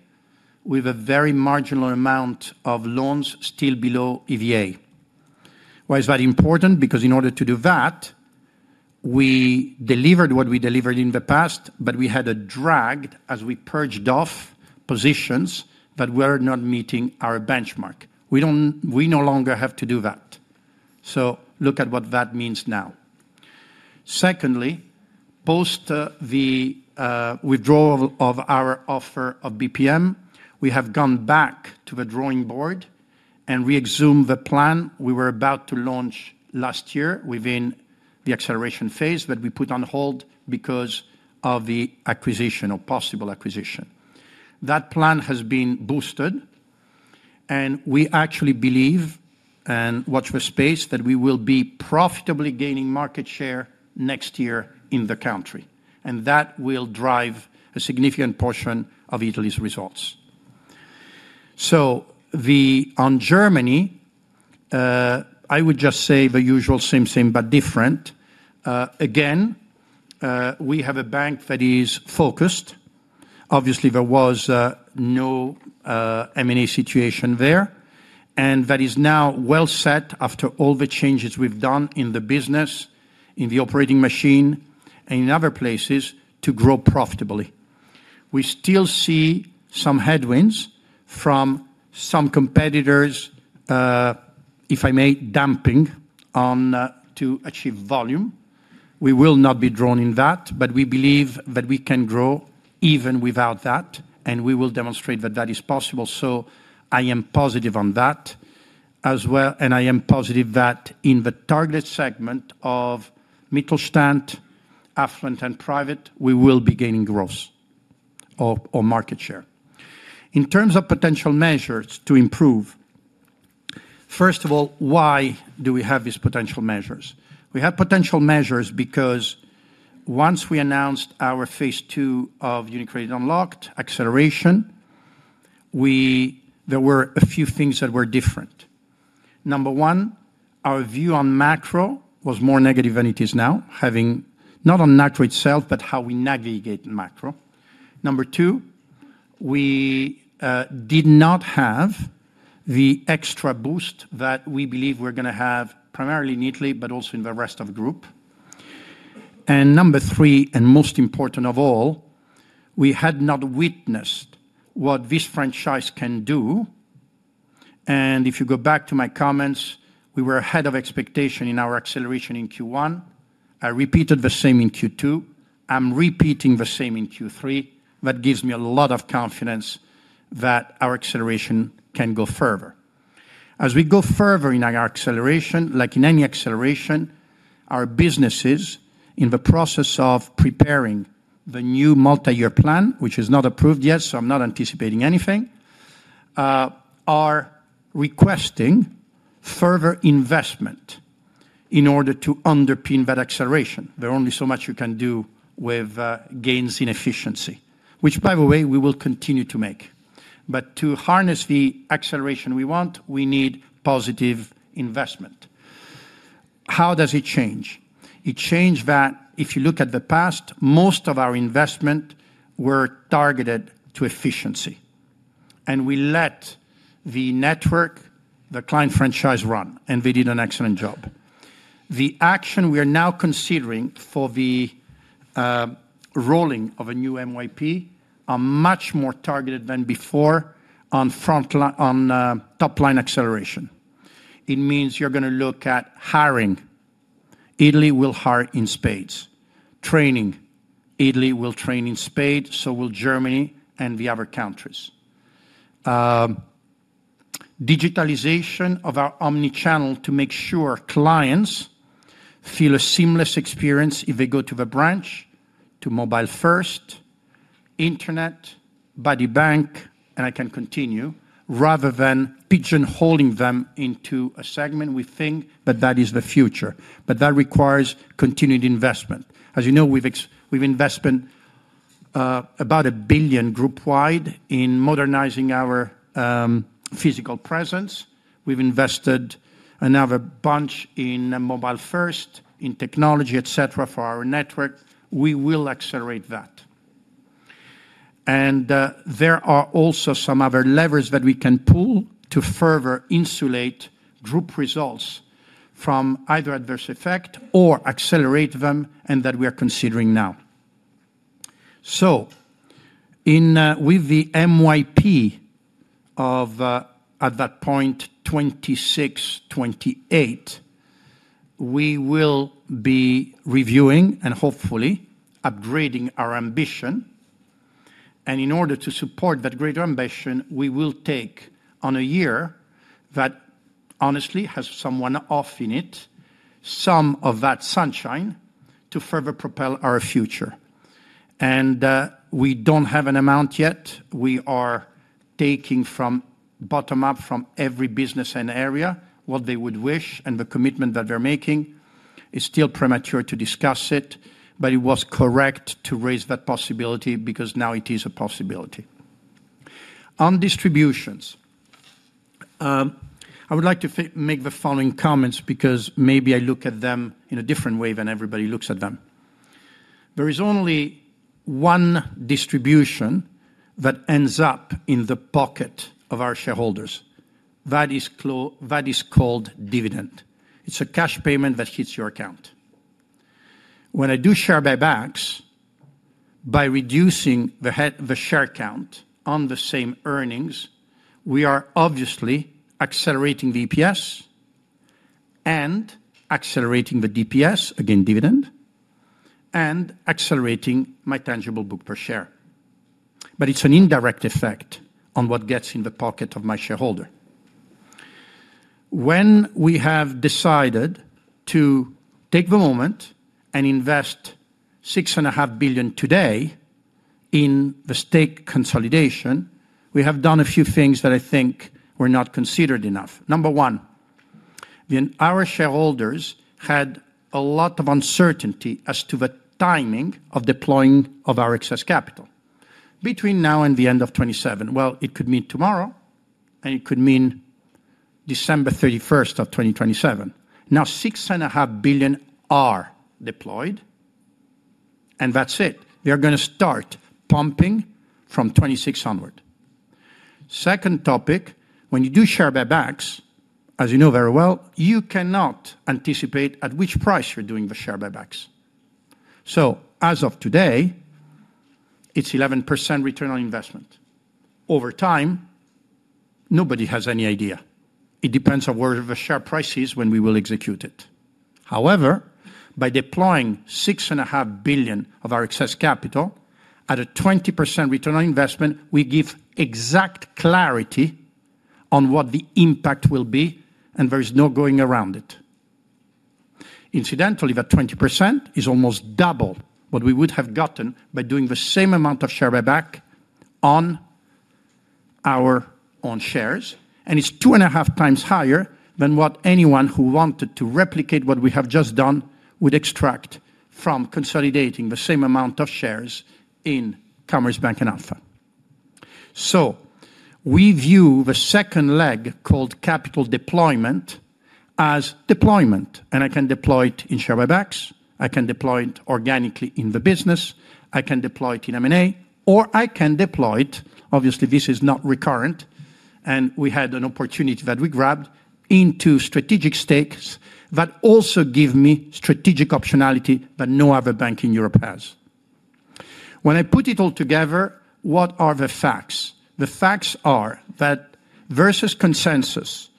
with a very marginal amount of loans still below EVA. Why is that important? Because in order to do that, we delivered what we delivered in the past, but we had a drag as we purged off positions that were not meeting our benchmark. We no longer have to do that. Look at what that means now. Secondly, post the withdrawal of our offer of BPM, we have gone back to the drawing board and re-examined the plan we were about to launch last year within the acceleration phase that we put on hold because of the acquisition or possible acquisition. That plan has been boosted, and we actually believe, and watch for space, that we will be profitably gaining market share next year in the country. That will drive a significant portion of Italy's results. On Germany, I would just say the usual same thing, but different. We have a bank that is focused. Obviously, there was no M&A situation there, and that is now well set after all the changes we've done in the business, in the operating machine, and in other places to grow profitably. We still see some headwinds from some competitors, if I may, damping on to achieve volume. We will not be drawn in that, but we believe that we can grow even without that, and we will demonstrate that that is possible. I am positive on that as well, and I am positive that in the target segment of Mittelstand, affluent, and private, we will be gaining growth or market share. In terms of potential measures to improve, first of all, why do we have these potential measures? We have potential measures because once we announced our phase two of UniCredit Unlocked acceleration, there were a few things that were different. Number one, our view on macro was more negative than it is now, having not on macro itself, but how we navigate macro. Number two, we did not have the extra boost that we believe we're going to have primarily in Italy, but also in the rest of the group. Number three, and most important of all, we had not witnessed what this franchise can do. If you go back to my comments, we were ahead of expectation in our acceleration in Q1. I repeated the same in Q2. I'm repeating the same in Q3. That gives me a lot of confidence that our acceleration can go further. As we go further in our acceleration, like in any acceleration, our businesses in the process of preparing the new multi-year plan, which is not approved yet, so I'm not anticipating anything, are requesting further investment in order to underpin that acceleration. There's only so much you can do with gains in efficiency, which, by the way, we will continue to make. To harness the acceleration we want, we need positive investment. How does it change? It changed that if you look at the past, most of our investment was targeted to efficiency, and we let the network, the client franchise run, and they did an excellent job. The action we are now considering for the rolling of a new MYP is much more targeted than before on top-line acceleration. It means you're going to look at hiring. Italy will hire in spades. Training. Italy will train in spades, so will Germany and the other countries. Digitalization of our omnichannel to make sure clients feel a seamless experience if they go to the branch, to mobile first, internet, Buddy Bank, and I can continue, rather than pigeonholing them into a segment we think that that is the future. That requires continued investment. As you know, we've invested about €1 billion group-wide in modernizing our physical presence. We've invested another bunch in mobile first, in technology, etc. for our network. We will accelerate that. There are also some other levers that we can pull to further insulate group results from either adverse effect or accelerate them and that we are considering now. With the MYP of, at that point, 2026-2028, we will be reviewing and hopefully upgrading our ambition. In order to support that greater ambition, we will take on a year that honestly has some unknowns in it, some of that sunshine to further propel our future. We don't have an amount yet. We are taking from bottom up from every business and area what they would wish, and the commitment that they're making is still premature to discuss. It was correct to raise that possibility because now it is a possibility. On distributions, I would like to make the following comments because maybe I look at them in a different way than everybody looks at them. There is only one distribution that ends up in the pocket of our shareholders. That is called dividend. It's a cash payment that hits your account. When I do share buybacks, by reducing the share count on the same earnings, we are obviously accelerating the EPS and accelerating the DPS, again dividend, and accelerating my tangible book per share. It's an indirect effect on what gets in the pocket of my shareholder. When we have decided to take the moment and invest €6.5 billion today in the stake consolidation, we have done a few things that I think were not considered enough. Number one, our shareholders had a lot of uncertainty as to the timing of deploying our excess capital. Between now and the end of 2027, it could mean tomorrow, and it could mean December 31, 2027. Now, €6.5 billion are deployed, and that's it. We are going to start pumping from 2026 onward. Second topic, when you do share buybacks, as you know very well, you cannot anticipate at which price you're doing the share buybacks. As of today, it's 11% return on investment. Over time, nobody has any idea. It depends on where the share price is when we will execute it. However, by deploying €6.5 billion of our excess capital at a 20% return on investment, we give exact clarity on what the impact will be, and there is no going around it. Incidentally, that 20% is almost double what we would have gotten by doing the same amount of share buyback on our own shares, and it's 2.5x higher than what anyone who wanted to replicate what we have just done would extract from consolidating the same amount of shares in Commerzbank and Alpha Bank. We view the second leg called capital deployment as deployment, and I can deploy it in share buybacks, I can deploy it organically in the business, I can deploy it in M&A, or I can deploy it. Obviously, this is not recurrent, and we had an opportunity that we grabbed into strategic stakes that also give me strategic optionality that no other bank in Europe has. When I put it all together, what are the facts? The facts are that versus consensus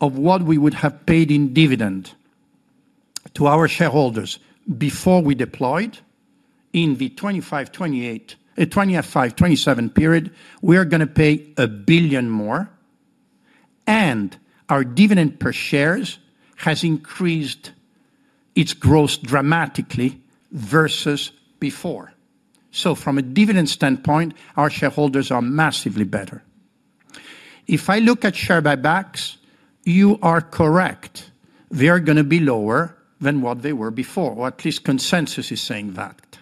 of what we would have paid in dividend to our shareholders before we deployed in the 2025-2027 period, we are going to pay €1 billion more, and our dividend per share has increased its growth dramatically versus before. From a dividend standpoint, our shareholders are massively better. If I look at share buybacks, you are correct, they are going to be lower than what they were before, or at least consensus is saying that.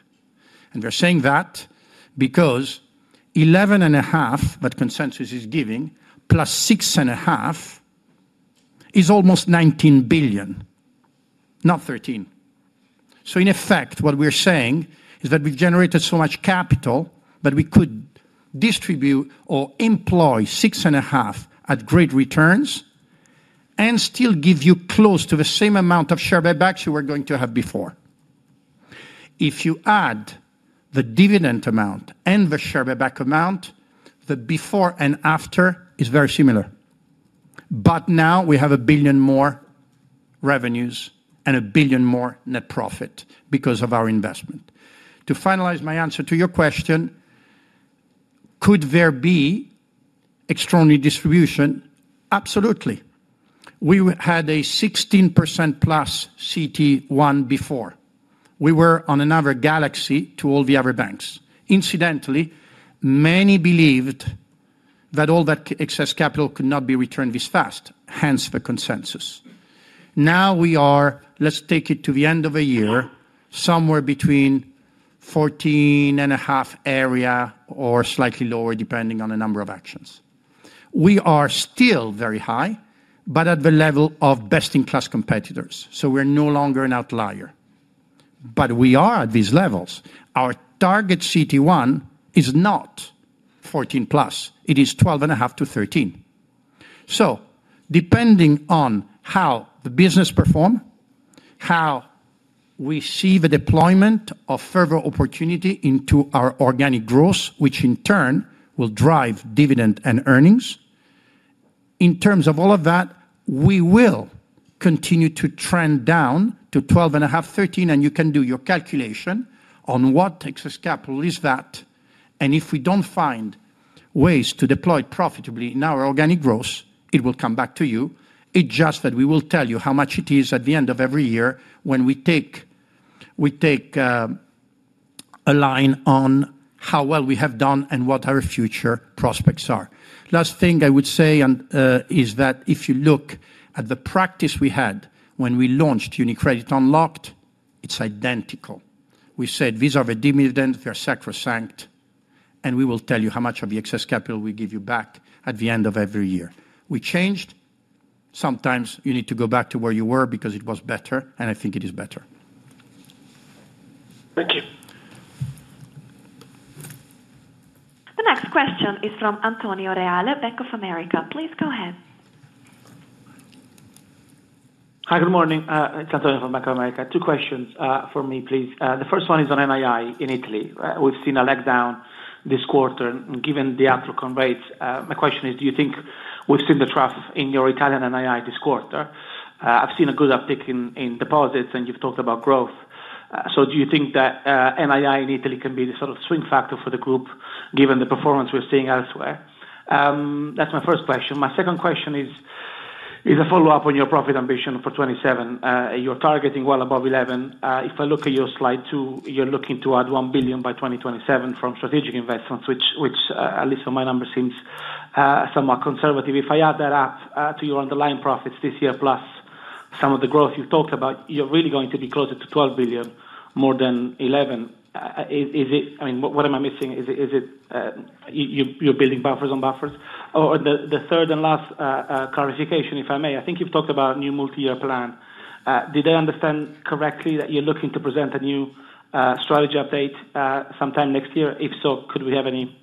They're saying that because €11.5 billion that consensus is giving plus €6.5 billion is almost €19 billion, not €13 billion. In effect, what we're saying is that we've generated so much capital that we could distribute or employ €6.5 billion at great returns and still give you close to the same amount of share buybacks you were going to have before. If you add the dividend amount and the share buyback amount, the before and after is very similar. Now we have €1 billion more revenues and €1 billion more net profit because of our investment. To finalize my answer to your question, could there be extraordinary distribution? Absolutely. We had a 16%+ CET1 before. We were on another galaxy to all the other banks. Incidentally, many believed that all that excess capital could not be returned this fast, hence the consensus. Now we are, let's take it to the end of a year, somewhere between the 14.5% area or slightly lower depending on the number of actions. We are still very high, but at the level of best-in-class competitors. We're no longer an outlier. We are at these levels. Our target CET1 is not 14%+. It is 12.5%-13%. Depending on how the business performs, how we see the deployment of further opportunity into our organic growth, which in turn will drive dividend and earnings. In terms of all of that, we will continue to trend down to 12.5%-13%, and you can do your calculation on what excess capital is that. If we don't find ways to deploy profitably in our organic growth, it will come back to you. We will tell you how much it is at the end of every year when we take a line on how well we have done and what our future prospects are. Last thing I would say is that if you look at the practice we had when we launched UniCredit Unlocked, it's identical. We said these are the dividends, they're sacrosanct. We will tell you how much of the excess capital we give you back at the end of every year. We changed. Sometimes you need to go back to where you were because it was better, and I think it is better. Thank you. The next question is from Antonio Reale, Bank of America. Please go ahead. Hi, good morning. It's Antonio from Bank of America. Two questions for me, please. The first one is on NII in Italy. We've seen a leg down this quarter given the outlook on rates. My question is, do you think we've seen the trough in your Italian NII this quarter? I've seen a good uptick in deposits, and you've talked about growth. Do you think that NII in Italy can be the sort of swing factor for the group given the performance we're seeing elsewhere? That's my first question. My second question is a follow-up on your profit ambition for 2027. You're targeting well above 11. If I look at your slide two, you're looking to add €1 billion by 2027 from strategic investments, which at least on my number seems somewhat conservative. If I add that up to your underlying profits this year plus some of the growth you've talked about, you're really going to be closer to €12 billion more than 11. What am I missing? Is it you're building buffers on buffers? The third and last clarification, if I may, I think you've talked about a new multi-year plan. Did I understand correctly that you're looking to present a new strategy update sometime next year? If so, could we have any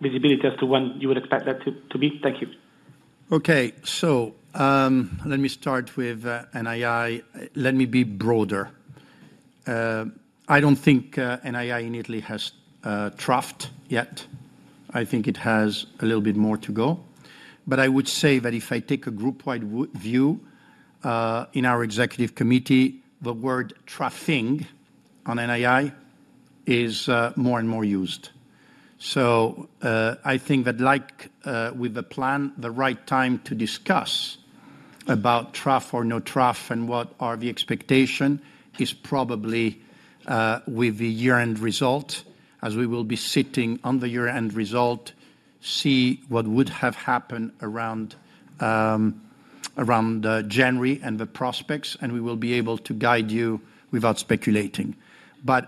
visibility as to when you would expect that to be? Thank you. Okay, so let me start with NII. Let me be broader. I don't think NII in Italy has troughed yet. I think it has a little bit more to go. I would say that if I take a group-wide view in our Executive Committee, the word troughing on NII is more and more used. I think that like with the plan, the right time to discuss about trough or no trough and what are the expectations is probably with the year-end result. As we will be sitting on the year-end result, see what would have happened around January and the prospects, we will be able to guide you without speculating.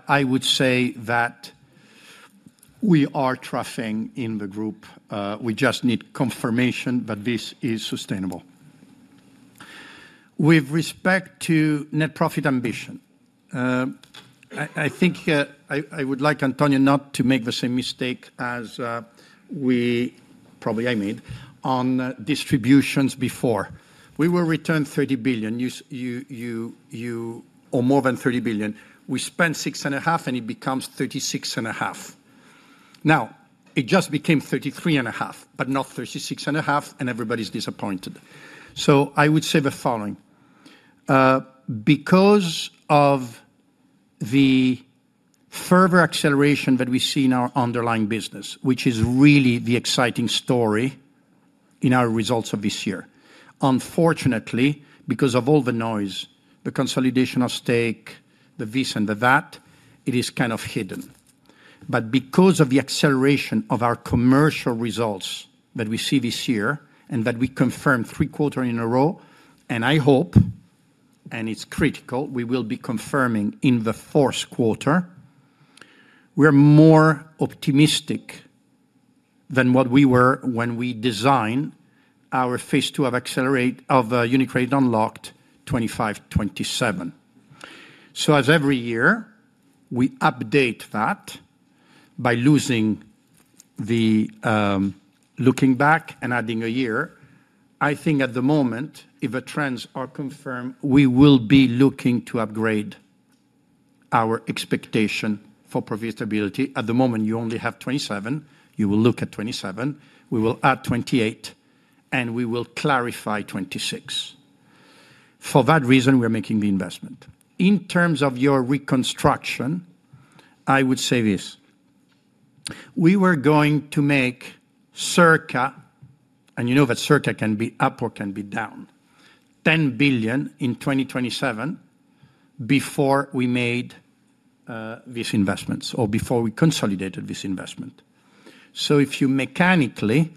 I would say that we are troughing in the group. We just need confirmation that this is sustainable. With respect to net profit ambition, I think I would like Antonio not to make the same mistake as we probably I made on distributions before. We will return €30 billion or more than €30 billion. We spent €6.5 billion and it becomes €36.5 billion. Now, it just became €33.5 billion, but not €36.5 billion and everybody's disappointed. I would say the following. Because of the further acceleration that we see in our underlying business, which is really the exciting story in our results of this year, unfortunately, because of all the noise, the consolidation of stake, the this and the that, it is kind of hidden. Because of the acceleration of our commercial results that we see this year and that we confirm three quarters in a row, and I hope, and it's critical, we will be confirming in the fourth quarter, we're more optimistic than what we were when we designed our phase two of UniCredit Unlocked 2025-2027. As every year, we update that by losing the looking back and adding a year. I think at the moment, if the trends are confirmed, we will be looking to upgrade our expectation for profitability. At the moment, you only have 2027. You will look at 2027. We will add 2028 and we will clarify 2026. For that reason, we're making the investment. In terms of your reconstruction, I would say this. We were going to make circa, and you know that circa can be up or can be down, €10 billion in 2027 before we made these investments or before we consolidated this investment. If you mechanically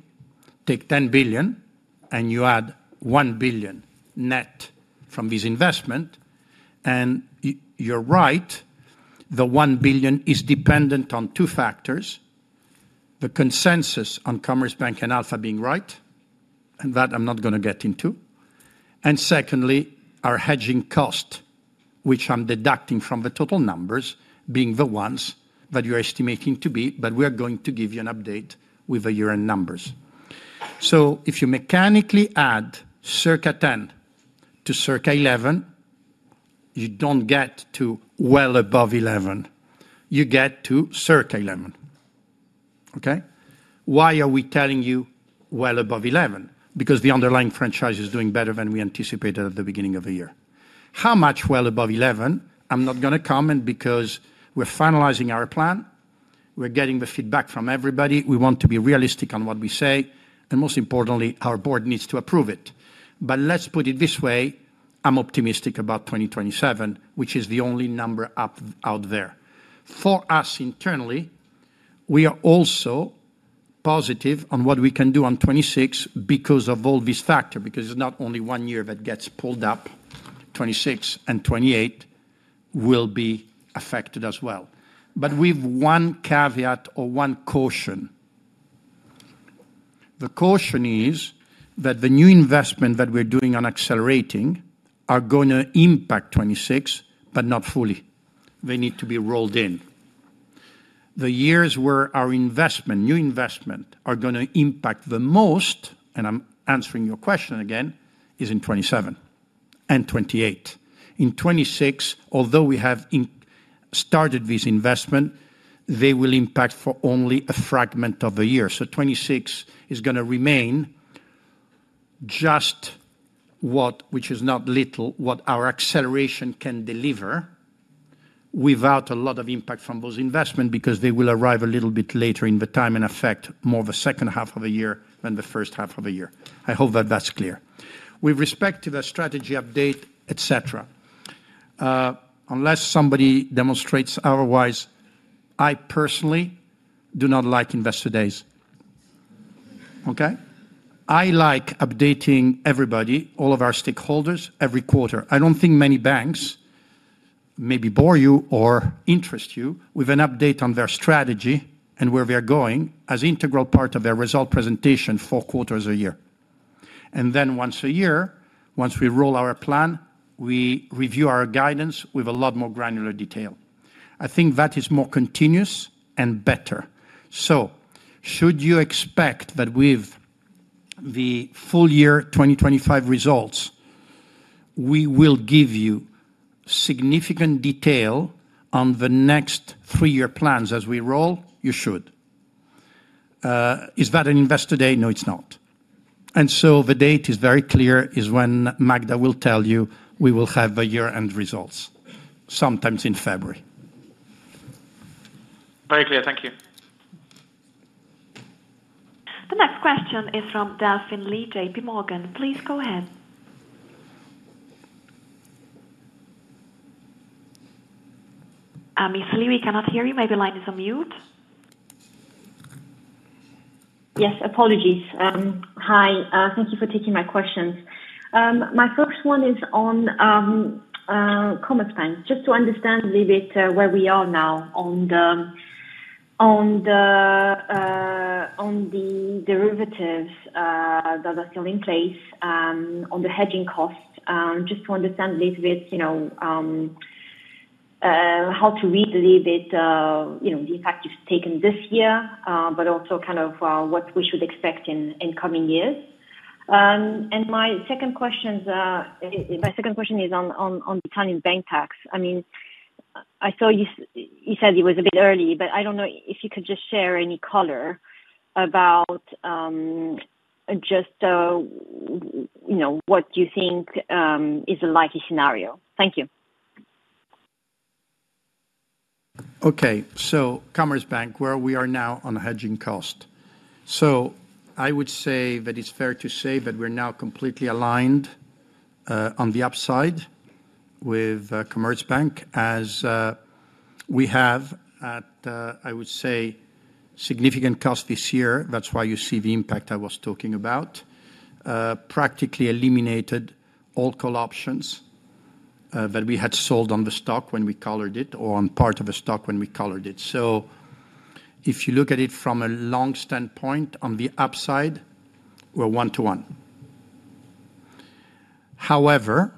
take €10 billion and you add €1 billion net from this investment, and you're right, the €1 billion is dependent on two factors: the consensus on Commerzbank and Alpha Bank being right, and that I'm not going to get into; and secondly, our hedging cost, which I'm deducting from the total numbers being the ones that you're estimating to be, but we're going to give you an update with the year-end numbers. If you mechanically add circa €10 billion to circa €11 billion, you don't get to well above €11 billion. You get to circa €11 billion. Okay? Why are we telling you well above €11 billion? Because the underlying franchise is doing better than we anticipated at the beginning of the year. How much well above €11 billion, I'm not going to comment because we're finalizing our plan. We're getting the feedback from everybody. We want to be realistic on what we say, and most importantly, our board needs to approve it. Let's put it this way, I'm optimistic about 2027, which is the only number out there. For us internally, we are also positive on what we can do on 2026 because of all these factors, because it's not only one year that gets pulled up. 2026 and 2028 will be affected as well. With one caveat or one caution. The caution is that the new investment that we're doing on accelerating is going to impact 2026, but not fully. They need to be rolled in. The years where our investment, new investment, is going to impact the most, and I'm answering your question again, is in 2027 and 2028. In 2026, although we have started this investment, they will impact for only a fragment of a year. 2026 is going to remain just what, which is not little, what our acceleration can deliver without a lot of impact from those investments because they will arrive a little bit later in the time and affect more of the second half of a year than the first half of a year. I hope that that's clear. With respect to Strategy Unless somebody demonstrates otherwise, I personally do not like investor days. I like updating everybody, all of our stakeholders, every quarter. I don't think many banks maybe bore you or interest you with an update on their strategy and where they are going as an integral part of their result presentation four quarters a year. Once a year, once we roll our plan, we review our guidance with a lot more granular detail. I think that is more continuous and better. Should you expect that with the full year 2025 results, we will give you significant detail on the next three-year plans as we roll? You should. Is that an investor day? No, it's not. The date is very clear, it is when Magda will tell you we will have the year-end results, sometimes in February. Very clear, thank you. The next question is from Delphine Lee, J.P. Morgan. Please go ahead. Ms. Lee, we cannot hear you. Maybe the line is on mute. Yes, apologies. Hi, thank you for taking my questions. My first one is on Commerzbank. Just to understand a little bit where we are now on the derivatives that are still in place, on the hedging costs, just to understand a little bit, you know, how to read a little bit, you know, the effect it's taken this year, but also kind of what we should expect in the coming years. My second question is on the Italian bank tax. I mean, I saw you said it was a bit early, but I don't know if you could just share any color about just, you know, what do you think is a likely scenario? Thank you. Okay, so Commerzbank, where we are now on the hedging cost. I would say that it's fair to say that we're now completely aligned on the upside with Commerzbank as we have at, I would say, significant costs this year. That's why you see the impact I was talking about. We have practically eliminated all call options that we had sold on the stock when we colored it or on part of the stock when we colored it. If you look at it from a long standpoint on the upside, we're one to one. However,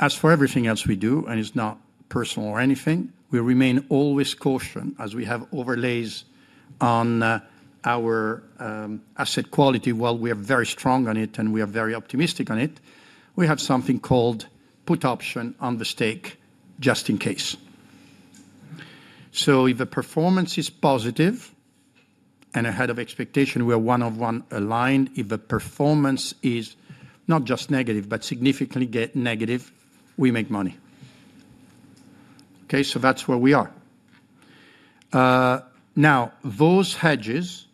as for everything else we do, and it's not personal or anything, we remain always cautious as we have overlays on our asset quality while we are very strong on it and we are very optimistic on it. We have something called put option on the stake just in case. If the performance is positive and ahead of expectation, we are one-on-one aligned. If the performance is not just negative, but significantly negative, we make money. Okay, that's where we are. Now, those hedges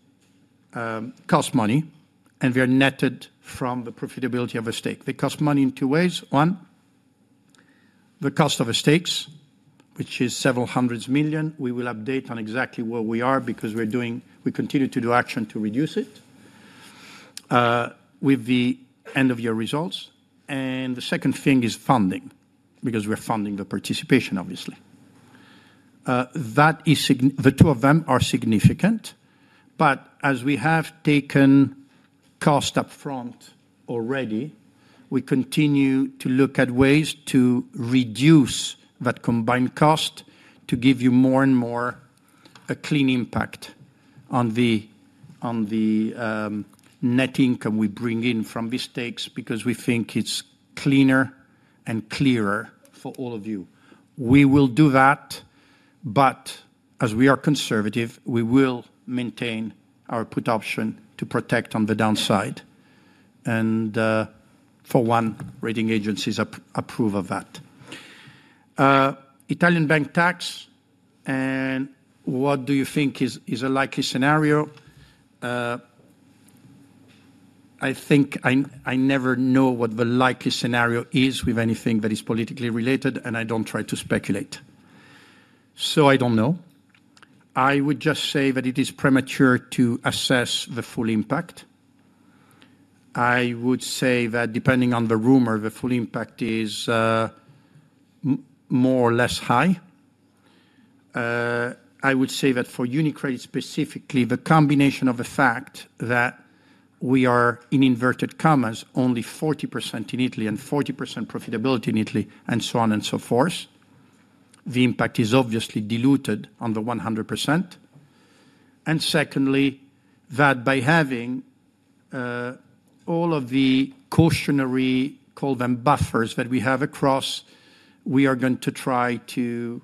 cost money and they are netted from the profitability of a stake. They cost money in two ways. One, the cost of the stakes, which is several hundred million. We will update on exactly where we are because we continue to do action to reduce it with the end-of-year results. The second thing is funding because we're funding the participation, obviously. The two of them are significant, but as we have taken cost upfront already, we continue to look at ways to reduce that combined cost to give you more and more a clean impact on the net income we bring in from the stakes because we think it's cleaner and clearer for all of you. We will do that, but as we are conservative, we will maintain our put option to protect on the downside. For one, rating agencies approve of that. Italian bank tax, and what do you think is a likely scenario? I think I never know what the likely scenario is with anything that is politically related, and I don't try to speculate. I don't know. I would just say that it is premature to assess the full impact. I would say that depending on the rumor, the full impact is more or less high. I would say that for UniCredit specifically, the combination of the fact that we are, in inverted commas, only 40% in Italy and 40% profitability in Italy, and so on and so forth, the impact is obviously diluted on the 100%. Secondly, by having all of the cautionary, call them buffers, that we have across, we are going to try to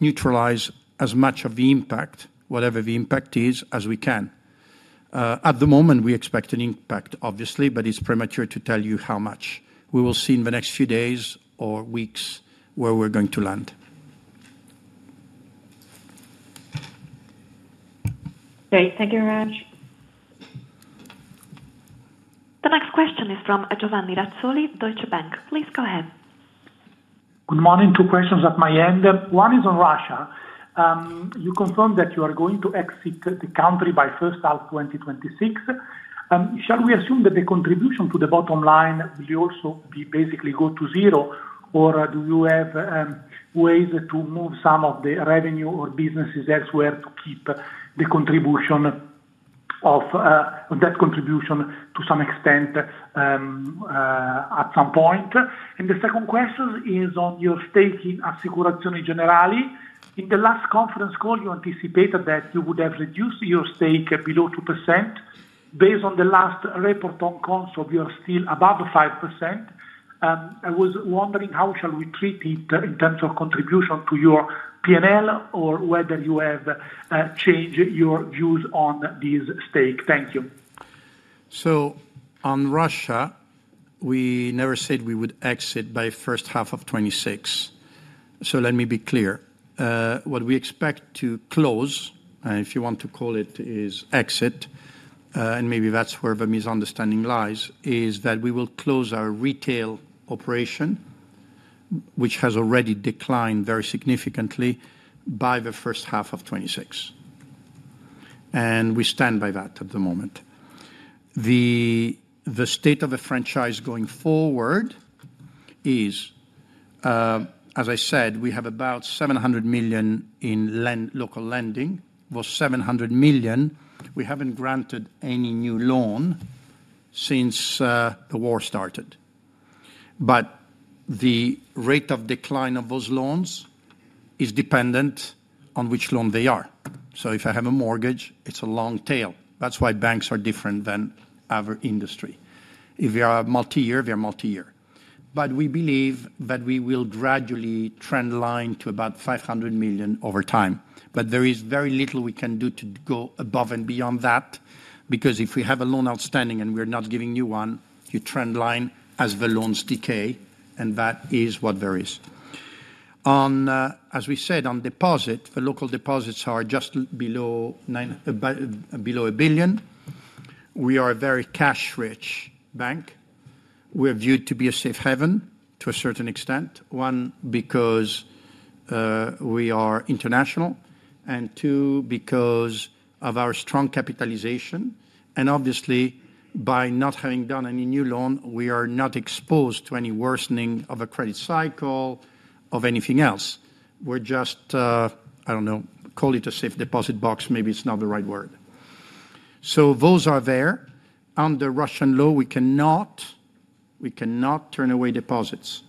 neutralize as much of the impact, whatever the impact is, as we can. At the moment, we expect an impact, obviously, but it's premature to tell you how much. We will see in the next few days or weeks where we're going to land. Great, thank you very much. The next question is from Giovanni Razzoli, Deutsche Bank. Please go ahead. Good morning. Two questions at my end. One is on Russia. You confirmed that you are going to exit the country by 1st of 2026. Shall we assume that the contribution to the bottom line will also basically go to zero, or do you have ways to move some of the revenue or businesses elsewhere to keep the contribution of that contribution to some extent at some point? The second question is on your stake in Assicurazioni Generali. In the last conference call, you anticipated that you would have reduced your stake below 2%. Based on the last report on CONSOB, you are still above 5%. I was wondering how shall we treat it in terms of contribution to your P&L or whether you have changed your views on these stakes. Thank you. On Russia, we never said we would exit by the first half of 2026. Let me be clear. What we expect to close, if you want to call it exit, and maybe that's where the misunderstanding lies, is that we will close our retail operation, which has already declined very significantly by the first half of 2026. We stand by that at the moment. The state of the franchise going forward is, as I said, we have about €700 million in local lending. For €700 million, we haven't granted any new loan since the war started. The rate of decline of those loans is dependent on which loan they are. If I have a mortgage, it's a long tail. That's why banks are different than other industries. If you are multi-year, they are multi-year. We believe that we will gradually trendline to about €500 million over time. There is very little we can do to go above and beyond that because if we have a loan outstanding and we're not giving you one, you trendline as the loans decay, and that is what varies. As we said, on deposit, the local deposits are just below €1 billion. We are a very cash-rich bank. We are viewed to be a safe haven to a certain extent, one, because we are international, and two, because of our strong capitalization. Obviously, by not having done any new loan, we are not exposed to any worsening of a credit cycle or anything else. We're just, I don't know, call it a safe deposit box, maybe it's not the right word. Those are there. Under Russian law, we cannot turn away deposits.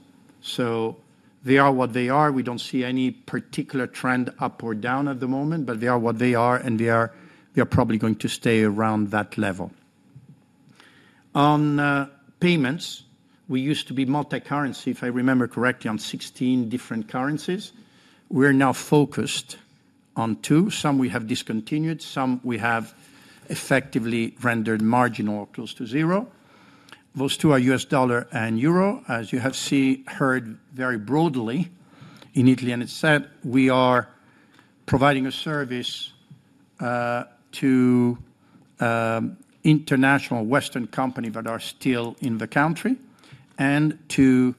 They are what they are. We don't see any particular trend up or down at the moment, but they are what they are, and they are probably going to stay around that level. On payments, we used to be multi-currency, if I remember correctly, on 16 different currencies. We're now focused on two. Some we have discontinued, some we have effectively rendered marginal or close to zero. Those two are U.S. dollar and euro, as you have seen heard very broadly in Italy, and as said, we are providing a service to international Western companies that are still in the country and to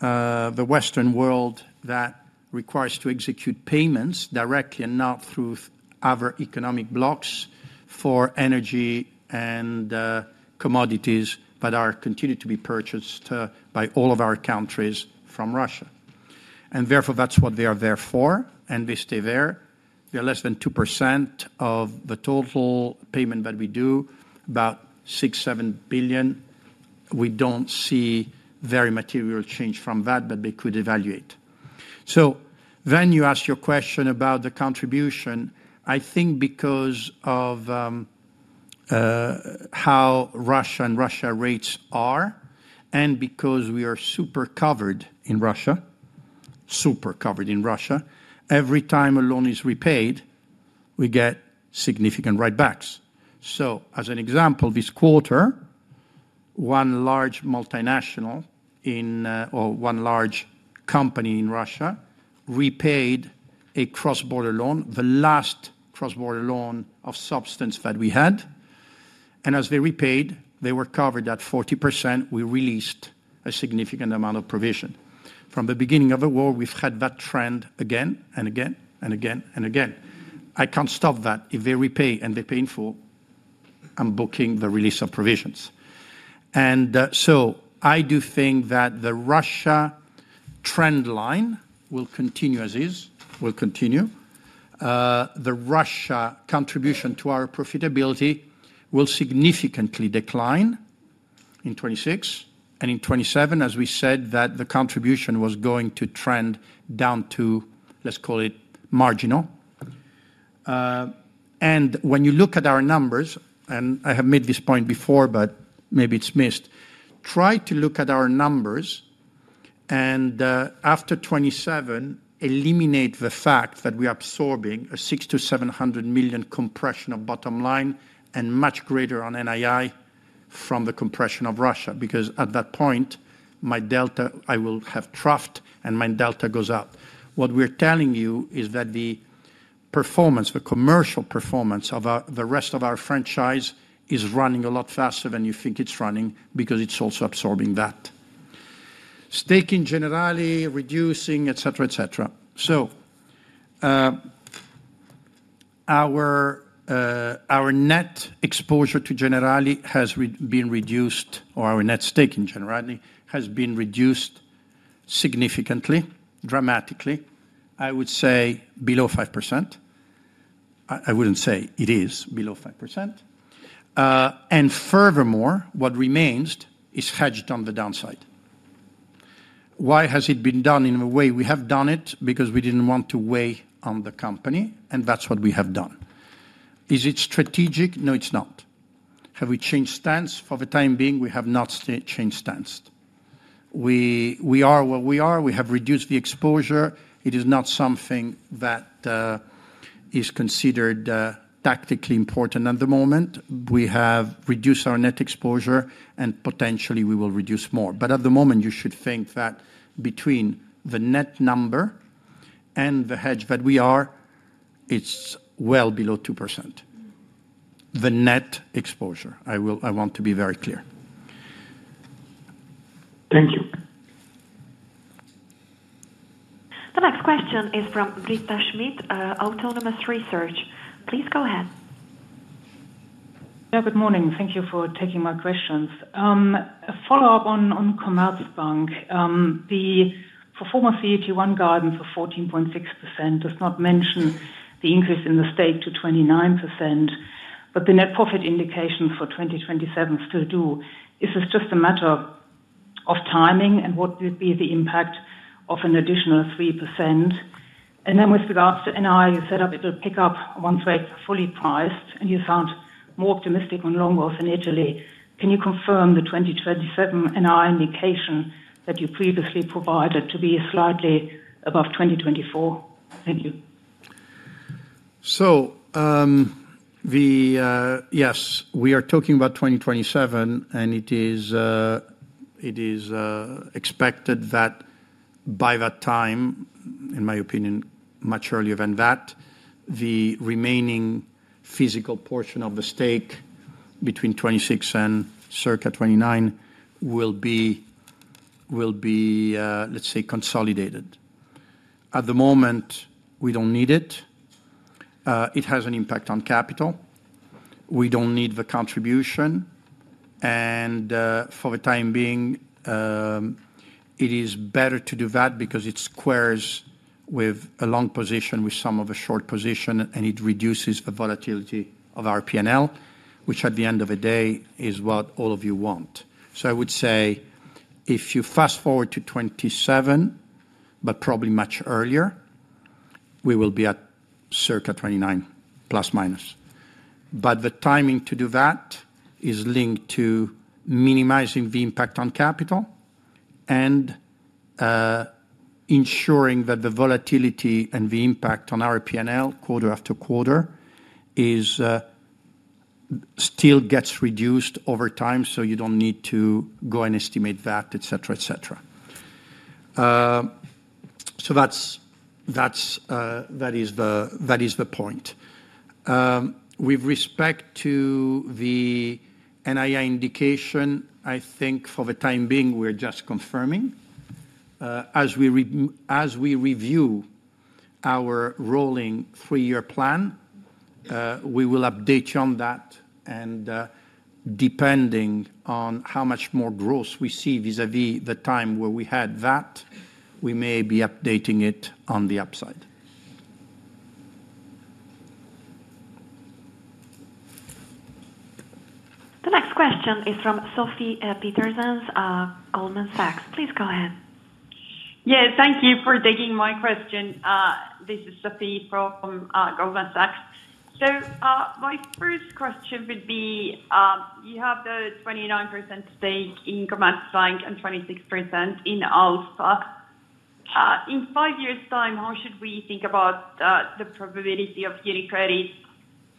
the Western world that requires to execute payments directly and not through other economic blocks for energy and commodities that continue to be purchased by all of our countries from Russia. Therefore, that's what they are there for, and they stay there. They are less than 2% of the total payment that we do, about €6-7 billion. We don't see very material change from that, but they could evaluate. You asked your question about the contribution. I think because of how Russian and Russia rates are and because we are super covered in Russia, every time a loan is repaid, we get significant write-backs. As an example, this quarter, one large multinational or one large company in Russia repaid a cross-border loan, the last cross-border loan of substance that we had. As they repaid, they were covered at 40%. We released a significant amount of provision. From the beginning of the war, we've had that trend again and again. I can't stop that. If they repay and they're painful, I'm booking the release of provisions. I do think that the Russia trend line will continue as is. The Russia contribution to our profitability will significantly decline in 2026. In 2027, as we said, the contribution was going to trend down to, let's call it, marginal. When you look at our numbers, and I have made this point before, but maybe it's missed, try to look at our numbers and after 2027, eliminate the fact that we're absorbing a €600 to €700 million compression of bottom line and much greater on NII from the compression of Russia because at that point, my delta, I will have troughed and my delta goes up. What we're telling you is that the performance, the commercial performance of the rest of our franchise is running a lot faster than you think it's running because it's also absorbing that. Staking Generali reducing, etc. Our net exposure to Generali has been reduced, or our net stake in Generali has been reduced significantly, dramatically, I would say below 5%. I wouldn't say it is below 5%. Furthermore, what remains is hedged on the downside. Why has it been done in a way we have done it? We didn't want to weigh on the company, and that's what we have done. Is it strategic? No, it's not. Have we changed stance? For the time being, we have not changed stance. We are where we are. We have reduced the exposure. It is not something that is considered tactically important at the moment. We have reduced our net exposure, and potentially we will reduce more. At the moment, you should think that between the net number and the hedge that we are, it's well below 2%. The net exposure, I want to be very clear. Thank you. The next question is from Britta Schmidt, Autonomous Research. Please go ahead. Good morning. Thank you for taking my questions. A follow-up on Commerzbank. The performance of the CET1 guidance of 14.6% does not mention the increase in the stake to 29%, but the net profit indications for 2027 still do. Is this just a matter of timing, and what will be the impact of an additional 3%? With regards to NII, you said it'll pick up once rates are fully priced, and you sound more optimistic on longer than Italy. Can you confirm the 2027 NII indication that you previously provided to be slightly above 2024? Thank you. Yes, we are talking about 2027, and it is expected that by that time, in my opinion, much earlier than that, the remaining physical portion of the stake between 2026 and circa 2029 will be, let's say, consolidated. At the moment, we don't need it. It has an impact on capital. We don't need the contribution, and for the time being, it is better to do that because it squares with a long position with some of a short position, and it reduces the volatility of our P&L, which at the end of the day is what all of you want. I would say if you fast forward to 2027, but probably much earlier, we will be at circa 2029, plus minus. The timing to do that is linked to minimizing the impact on capital and ensuring that the volatility and the impact on our P&L quarter after quarter still gets reduced over time, so you don't need to go and estimate that, etc. That is the point. With respect to the NII indication, I think for the time being, we're just confirming. As we review our rolling three-year plan, we will update you on that, and depending on how much more growth we see vis-à-vis the time where we had that, we may be updating it on the upside. The next question is from Sofie Peterzens, Goldman Sachs. Please go ahead. Yes, thank you for taking my question. This is Sophie from Goldman Sachs. My first question would be, you have the 29% stake in Commerzbank and 26% in Alpha Bank. In five years' time, how should we think about the probability of UniCredit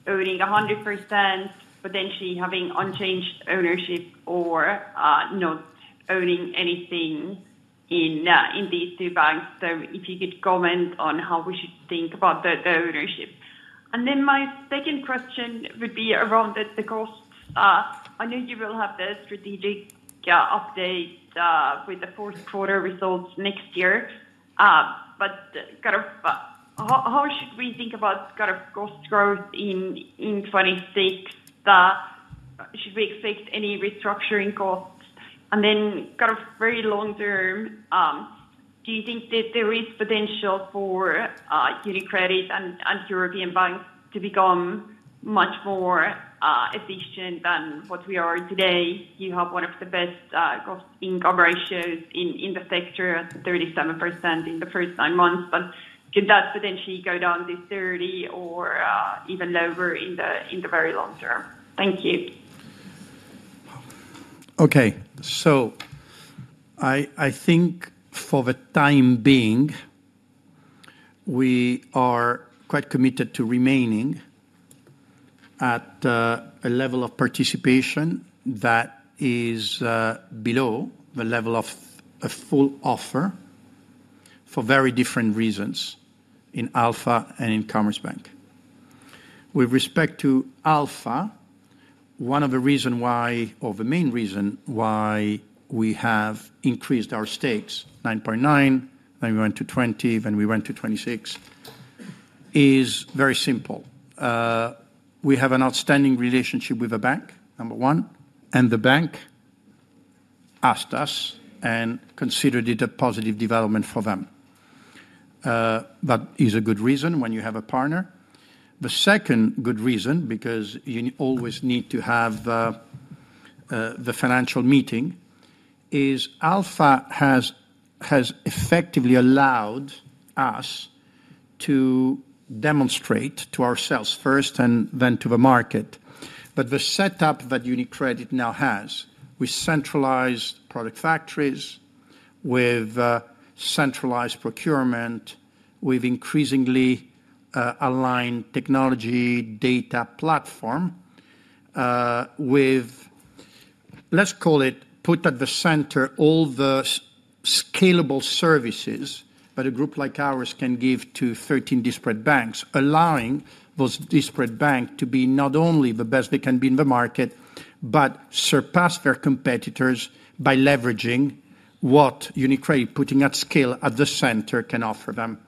owning 100%, potentially having unchanged ownership, or not owning anything in these two banks? If you could comment on how we should think about the ownership. My second question would be around the costs. I know you will have the strategic update with the fourth quarter results next year, but how should we think about cost growth in 2026? Should we expect any restructuring costs? Very long term, do you think that there is potential for UniCredit and European banks to become much more efficient than what we are today? You have one of the best cost-to-income ratios in the sector at 37% in the first nine months, but could that potentially go down to 30% or even lower in the very long term? Thank you. Okay, so I think for the time being, we are quite committed to remaining at a level of participation that is below the level of a full offer for very different reasons in Alpha and in Commerzbank. With respect to Alpha, one of the reasons why, or the main reason why we have increased our stakes, 9.9%, then we went to 20%, then we went to 26%, is very simple. We have an outstanding relationship with the bank, number one, and the bank asked us and considered it a positive development for them. That is a good reason when you have a partner. The second good reason, because you always need to have the financial meeting, is Alpha has effectively allowed us to demonstrate to ourselves first and then to the market that the setup that UniCredit now has with centralized product factories, with centralized procurement, with increasingly aligned technology data platform, with, let's call it, put at the center all the scalable services that a group like ours can give to 13 disparate banks, allowing those disparate banks to be not only the best they can be in the market, but surpass their competitors by leveraging what UniCredit putting at scale at the center can offer them.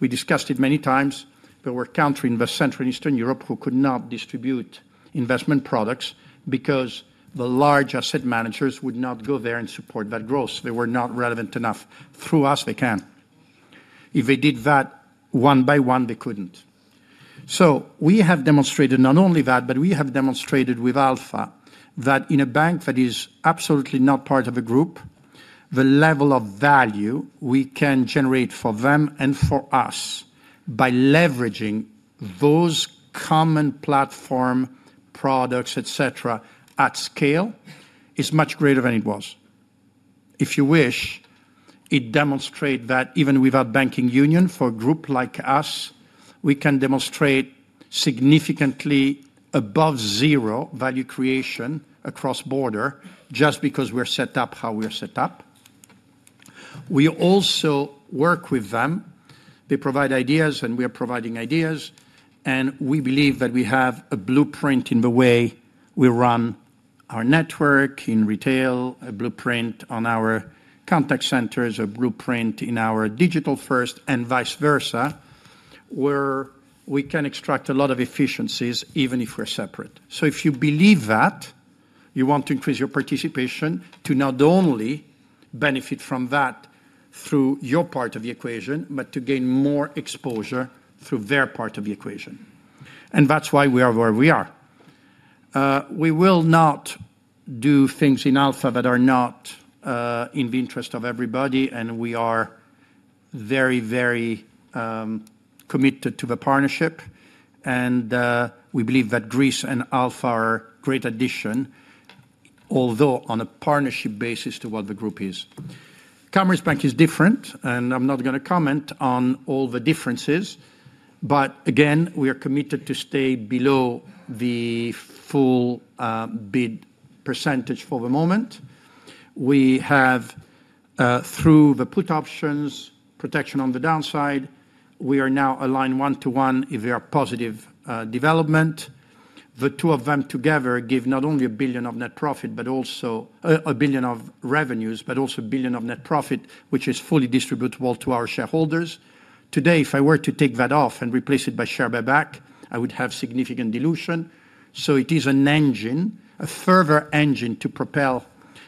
We discussed it many times. There were countries in Central and Eastern Europe who could not distribute investment products because the large asset managers would not go there and support that growth. They were not relevant enough. Through us, they can. If they did that one by one, they couldn't. We have demonstrated not only that, but we have demonstrated with Alpha that in a bank that is absolutely not part of a group, the level of value we can generate for them and for us by leveraging those common platform products, etc., at scale is much greater than it was. If you wish, it demonstrates that even without banking union for a group like us, we can demonstrate significantly above zero value creation across border just because we're set up how we're set up. We also work with them. They provide ideas, and we are providing ideas, and we believe that we have a blueprint in the way we run our network in retail, a blueprint on our contact centers, a blueprint in our digital first, and vice versa, where we can extract a lot of efficiencies even if we're separate. If you believe that, you want to increase your participation to not only benefit from that through your part of the equation, but to gain more exposure through their part of the equation. That's why we are where we are. We will not do things in Alpha that are not in the interest of everybody, and we are very, very committed to the partnership, and we believe that Greece and Alpha are a great addition, although on a partnership basis to what the group is. Commerzbank is different, and I'm not going to comment on all the differences, but again, we are committed to stay below the full bid % for the moment. We have, through the put options, protection on the downside. We are now aligned one to one if there are positive developments. The two of them together give not only €1 billion of net profit, but also €1 billion of revenues, but also €1 billion of net profit, which is fully distributable to our shareholders. Today, if I were to take that off and replace it by share buyback, I would have significant dilution. It is an engine, a further engine to propel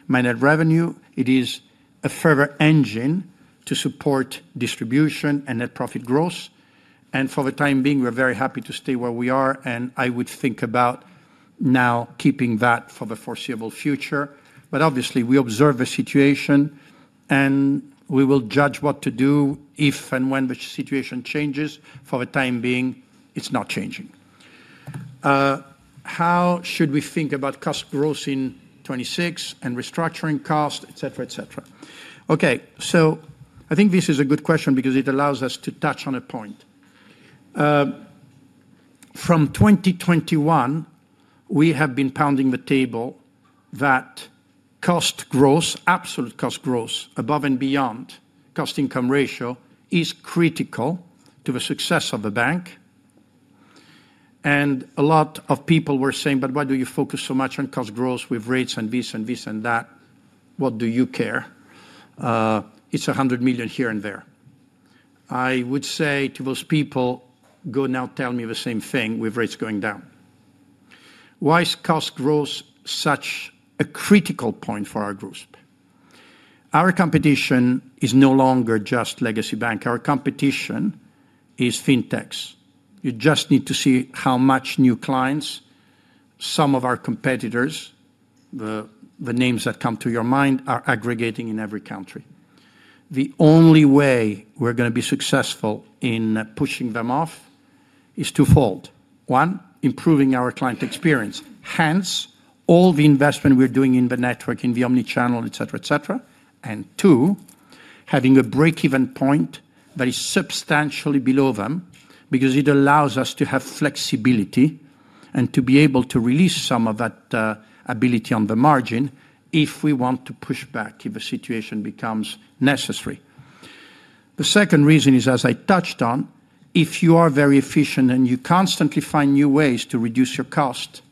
my net revenue. It is a further engine to support distribution and net profit growth. For the time being, we're very happy to stay where we are, and I would think about now keeping that for the foreseeable future. Obviously, we observe the situation, and we will judge what to do if and when the situation changes. For the time being, it's not changing. How should we think about cost growth in 2026 and restructuring costs, etc., etc.? Okay, I think this is a good question because it allows us to touch on a point. From 2021, we have been pounding the table that cost growth, absolute cost growth, above and beyond cost-to-income ratio is critical to the success of the bank. A lot of people were saying, "But why do you focus so much on cost growth with rates and this and this and that? What do you care? It's €100 million here and there." I would say to those people, "Go now tell me the same thing with rates going down." Why is cost growth such a critical point for our group? Our competition is no longer just legacy banks. Our competition is fintechs. You just need to see how much new clients, some of our competitors, the names that come to your mind, are aggregating in every country. The only way we're going to be successful in pushing them off is twofold. One, improving our client experience. Hence, all the investment we're doing in the network, in the omnichannel, etc., etc. Two, having a break-even point that is substantially below them because it allows us to have flexibility and to be able to release some of that ability on the margin if we want to push back if a situation becomes necessary. The second reason is, as I touched on, if you are very efficient and you constantly find new ways to reduce your cost,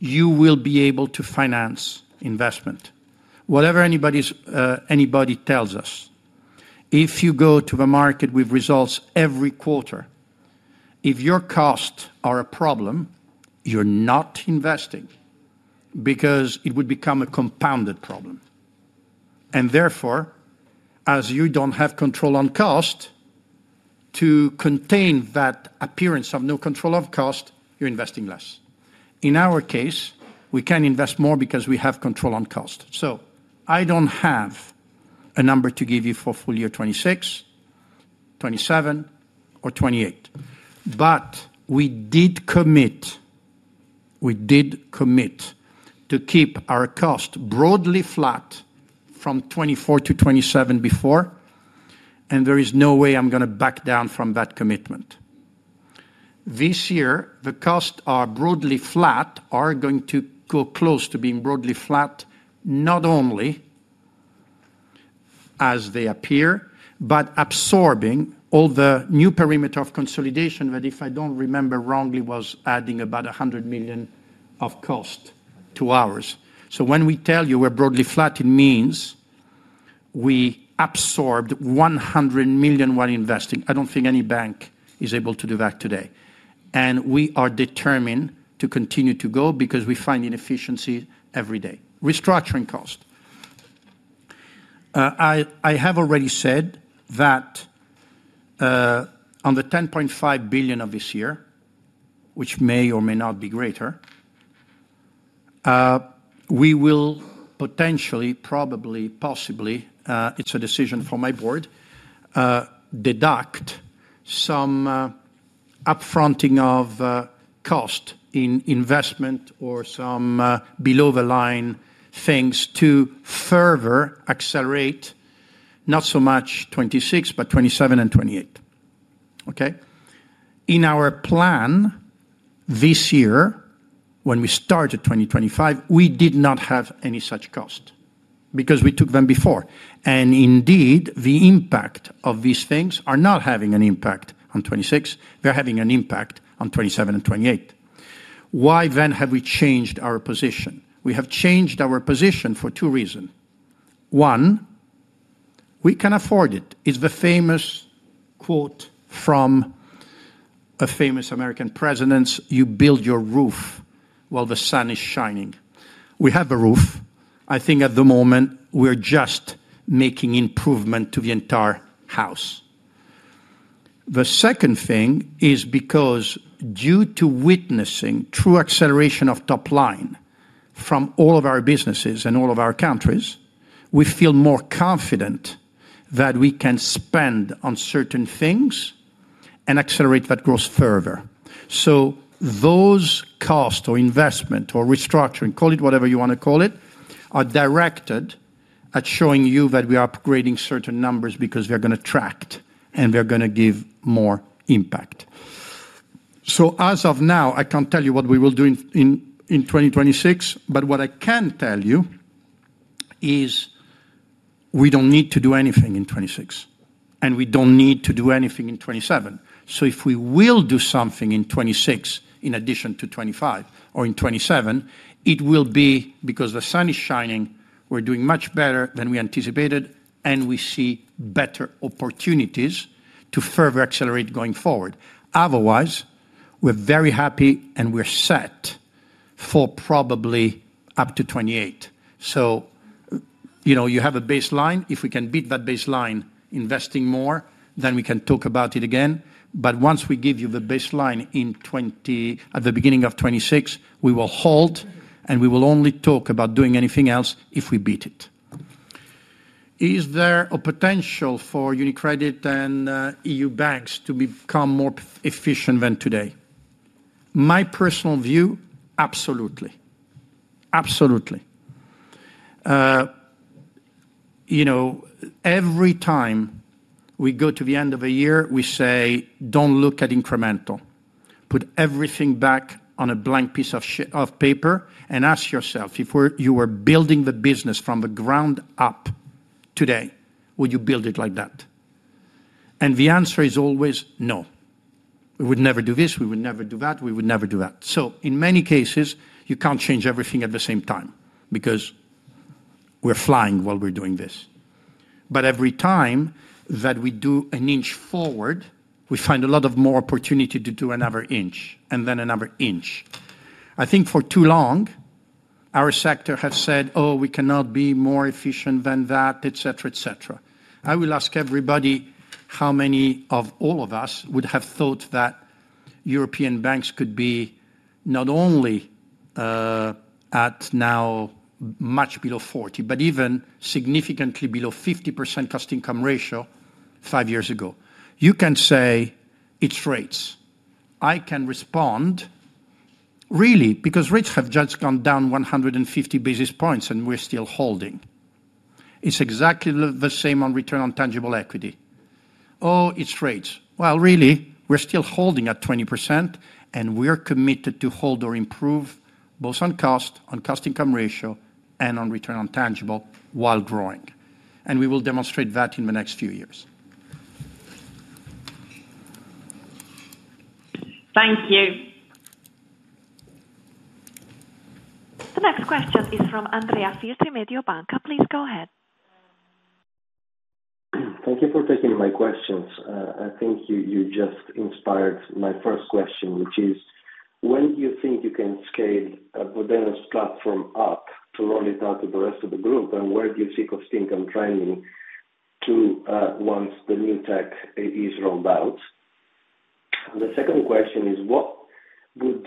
you will be able to finance investment. Whatever anybody tells us, if you go to the market with results every quarter, if your costs are a problem, you're not investing because it would become a compounded problem. Therefore, as you don't have control on cost, to contain that appearance of no control of cost, you're investing less. In our case, we can invest more because we have control on cost. I don't have a number to give you for full year 2026, 2027, or 2028. We did commit to keep our cost broadly flat from 2024 to 2027 before, and there is no way I'm going to back down from that commitment. This year, the costs are broadly flat, are going to go close to being broadly flat, not only as they appear, but absorbing all the new perimeter of consolidation that, if I don't remember wrongly, was adding about €100 million of cost to ours. When we tell you we're broadly flat, it means we absorbed €100 million while investing. I don't think any bank is able to do that today. We are determined to continue to go because we find inefficiencies every day. Restructuring cost. I have already said that on the €10.5 billion of this year, which may or may not be greater, we will potentially, probably, possibly, it's a decision for my board, deduct some upfronting of cost in investment or some below-the-line things to further accelerate, not so much 2026, but 2027 and 2028. Okay? In our plan this year, when we started 2025, we did not have any such cost because we took them before. Indeed, the impact of these things is not having an impact on 2026. They're having an impact on 2027 and 2028. Why then have we changed our position? We have changed our position for two reasons. One, we can afford it. It's the famous quote from a famous American president, "You build your roof while the sun is shining." We have a roof. I think at the moment, we're just making improvements to the entire house. The second thing is because, due to witnessing true acceleration of top line from all of our businesses and all of our countries, we feel more confident that we can spend on certain things and accelerate that growth further. Those costs or investment or restructuring, call it whatever you want to call it, are directed at showing you that we are upgrading certain numbers because we are going to track it and we are going to give more impact. As of now, I can't tell you what we will do in 2026, but what I can tell you is we don't need to do anything in 2026, and we don't need to do anything in 2027. If we will do something in 2026 in addition to 2025 or in 2027, it will be because the sun is shining, we're doing much better than we anticipated, and we see better opportunities to further accelerate going forward. Otherwise, we're very happy and we're set for probably up to 2028. You have a baseline. If we can beat that baseline investing more, then we can talk about it again. Once we give you the baseline at the beginning of 2026, we will hold and we will only talk about doing anything else if we beat it. Is there a potential for UniCredit and EU banks to become more efficient than today? My personal view, absolutely. Absolutely. Every time we go to the end of a year, we say, "Don't look at incremental. Put everything back on a blank piece of paper and ask yourself, if you were building the business from the ground up today, would you build it like that?" The answer is always, "No. We would never do this, we would never do that, we would never do that." In many cases, you can't change everything at the same time because we're flying while we're doing this. Every time that we do an inch forward, we find a lot more opportunity to do another inch and then another inch. I think for too long, our sector has said, "Oh, we cannot be more efficient than that," etc., etc. I will ask everybody how many of all of us would have thought that European banks could be not only at now much below 40, but even significantly below 50% cost-to-income ratio five years ago. You can say it's rates. I can respond, "Really? Because rates have just gone down 150 basis points and we're still holding." It's exactly the same on return on tangible equity. "Oh, it's rates." Really, we're still holding at 20% and we're committed to hold or improve both on cost, on cost-to-income ratio, and on return on tangible while growing. We will demonstrate that in the next few years. Thank you. The next question is from Andrea Filtri, Mediobanca. Please go ahead. Thank you for taking my questions. I think you just inspired my first question, which is, when do you think you can scale a Buddy platform up to roll it out to the rest of the group, and where do you see cost-to-income trending once the new tech is rolled out? The second question is, what would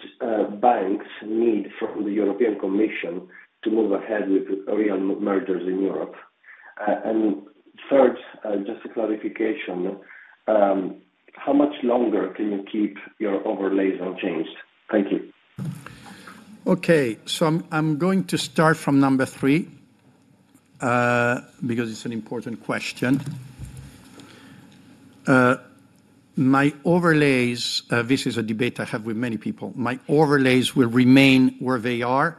banks need from the European Commission to move ahead with real mergers in Europe? The third, just a clarification, how much longer can you keep your overlays unchanged? Thank you. Okay, so I'm going to start from number three because it's an important question. My overlays, this is a debate I have with many people, my overlays will remain where they are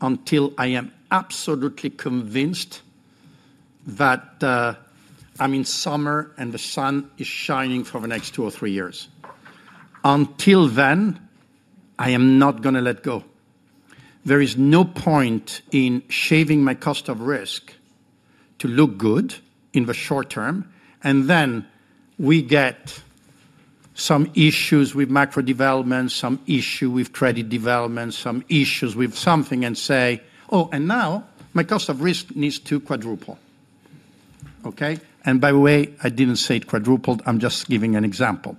until I am absolutely convinced that I'm in summer and the sun is shining for the next two or three years. Until then, I am not going to let go. There is no point in shaving my cost of risk to look good in the short term, and then we get some issues with macro development, some issues with credit development, some issues with something and say, "Oh, and now my cost of risk needs to quadruple." I didn't say it quadrupled, I'm just giving an example.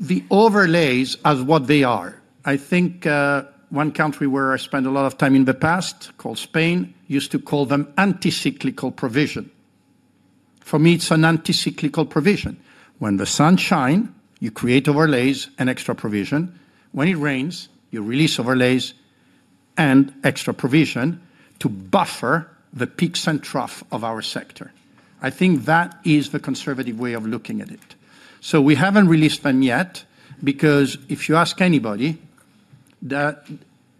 The overlays are as what they are. I think one country where I spent a lot of time in the past, called Spain, used to call them anticyclical provision. For me, it's an anticyclical provision. When the sun shines, you create overlays and extra provision. When it rains, you release overlays and extra provision to buffer the peaks and troughs of our sector. I think that is the conservative way of looking at it. We haven't released them yet because if you ask anybody,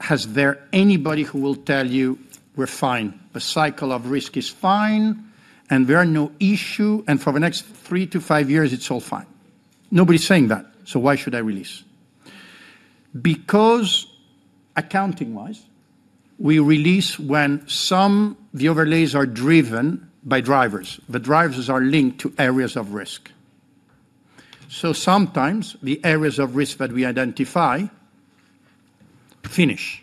has there been anybody who will tell you, "We're fine. The cycle of risk is fine and there are no issues, and for the next three to five years, it's all fine"? Nobody's saying that, so why should I release? Accounting-wise, we release when some of the overlays are driven by drivers. The drivers are linked to areas of risk. Sometimes the areas of risk that we identify finish,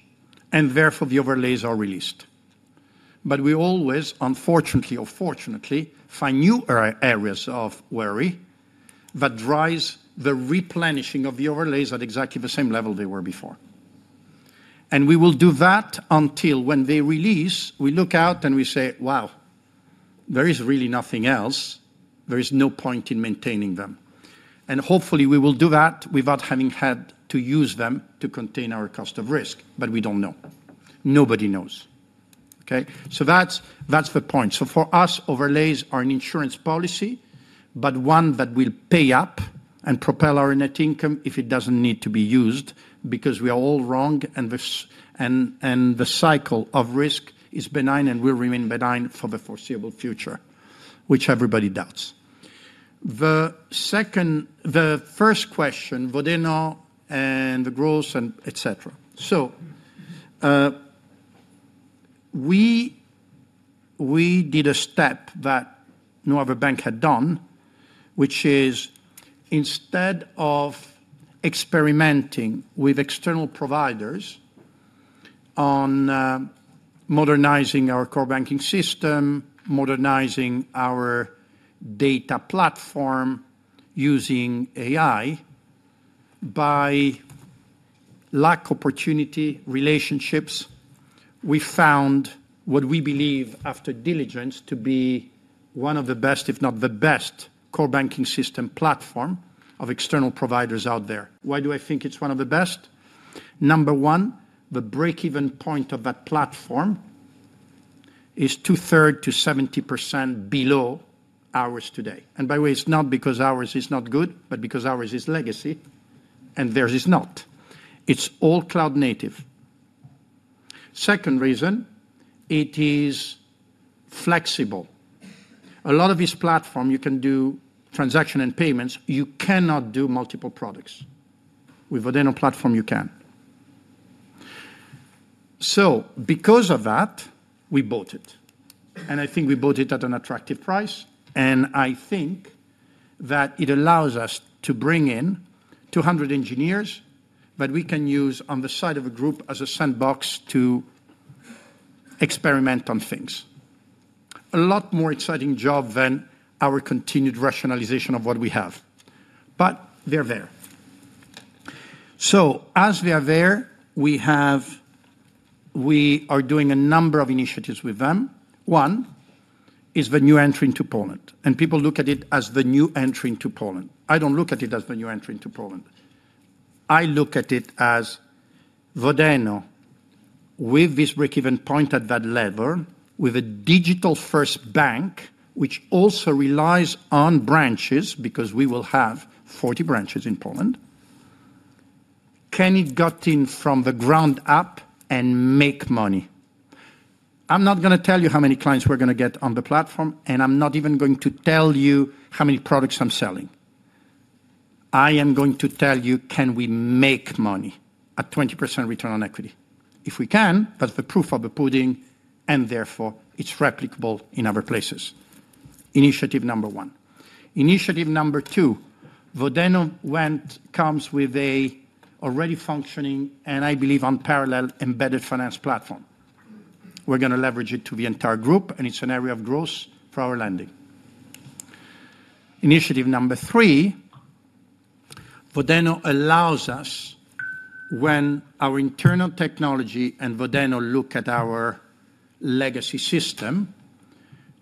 and therefore the overlays are released. We always, unfortunately or fortunately, find new areas of worry that drive the replenishing of the overlays at exactly the same level they were before. We will do that until when they release, we look out and we say, "Wow, there is really nothing else. There is no point in maintaining them." Hopefully, we will do that without having had to use them to contain our cost of risk, but we don't know. Nobody knows. That's the point. For us, overlays are an insurance policy, but one that will pay up and propel our net income if it doesn't need to be used because we are all wrong and the cycle of risk is benign and will remain benign for the foreseeable future, which everybody doubts. The first question, Vodeno and the growth and etc. We did a step that no other bank had done, which is instead of experimenting with external providers on modernizing our core banking system, modernizing our data platform using AI, by lack of opportunity relationships, we found what we believe, after diligence, to be one of the best, if not the best, core banking system platform of external providers out there. Why do I think it's one of the best? Number one, the break-even point of that platform is two-thirds to 70% below ours today. By the way, it's not because ours is not good, but because ours is legacy and theirs is not. It's all cloud native. Second reason, it is flexible. A lot of this platform, you can do transaction and payments. You cannot do multiple products. With Vodeno platform, you can. Because of that, we bought it. I think we bought it at an attractive price. I think that it allows us to bring in 200 engineers that we can use on the side of a group as a sandbox to experiment on things. A lot more exciting job than our continued rationalization of what we have. They're there. As they're there, we are doing a number of initiatives with them. One is the new entry into Poland. People look at it as the new entry into Poland. I don't look at it as the new entry into Poland. I look at it as Vodeno with this break-even point at that level, with a digital-first bank, which also relies on branches because we will have 40 branches in Poland. Can it get in from the ground up and make money? I'm not going to tell you how many clients we're going to get on the platform, and I'm not even going to tell you how many products I'm selling. I am going to tell you, can we make money at 20% return on equity? If we can, that's the proof of the pudding, and therefore it's replicable in other places. Initiative number one. Initiative number two, Vodeno comes with an already functioning, and I believe unparalleled embedded finance platform. We're going to leverage it to the entire group, and it's an area of growth for our landing. Initiative number three, Vodeno allows us, when our internal technology and Vodeno look at our legacy system,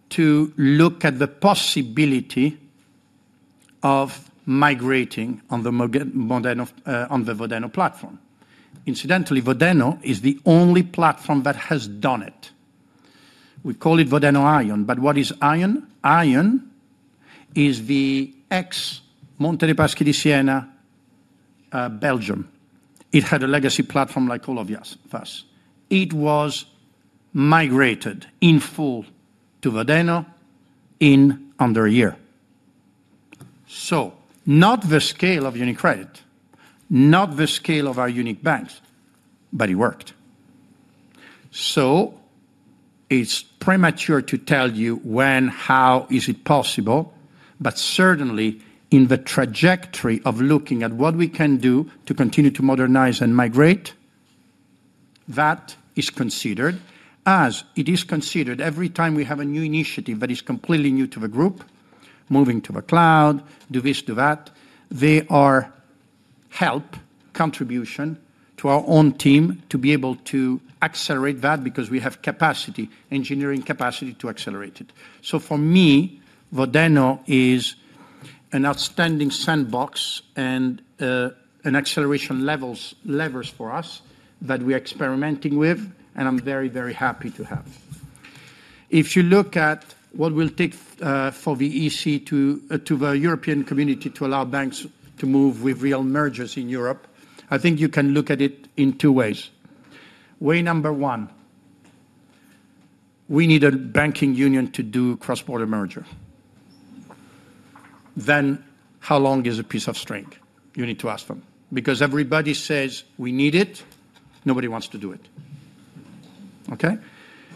to look at the possibility of migrating on the Vodeno platform. Incidentally, Vodeno is the only platform that has done it. We call it Vodeno Ion, but what is Ion? Ion is the ex-Monte dei Paschi di Siena, Belgium. It had a legacy platform like all of us. It was migrated in full to Vodeno in under a year. Not the scale of UniCredit, not the scale of our unique banks, but it worked. It is premature to tell you when, how is it possible, but certainly in the trajectory of looking at what we can do to continue to modernize and migrate, that is considered, as it is considered every time we have a new initiative that is completely new to the group, moving to the cloud, do this, do that. They are help, contribution to our own team to be able to accelerate that because we have capacity, engineering capacity to accelerate it. For me, Vodeno is an outstanding sandbox and an acceleration leverage for us that we are experimenting with, and I'm very, very happy to have. If you look at what will take for the EC, the European community, to allow banks to move with real mergers in Europe, I think you can look at it in two ways. Way number one, we need a banking union to do cross-border merger. How long is a piece of string? You need to ask them. Everybody says we need it, nobody wants to do it.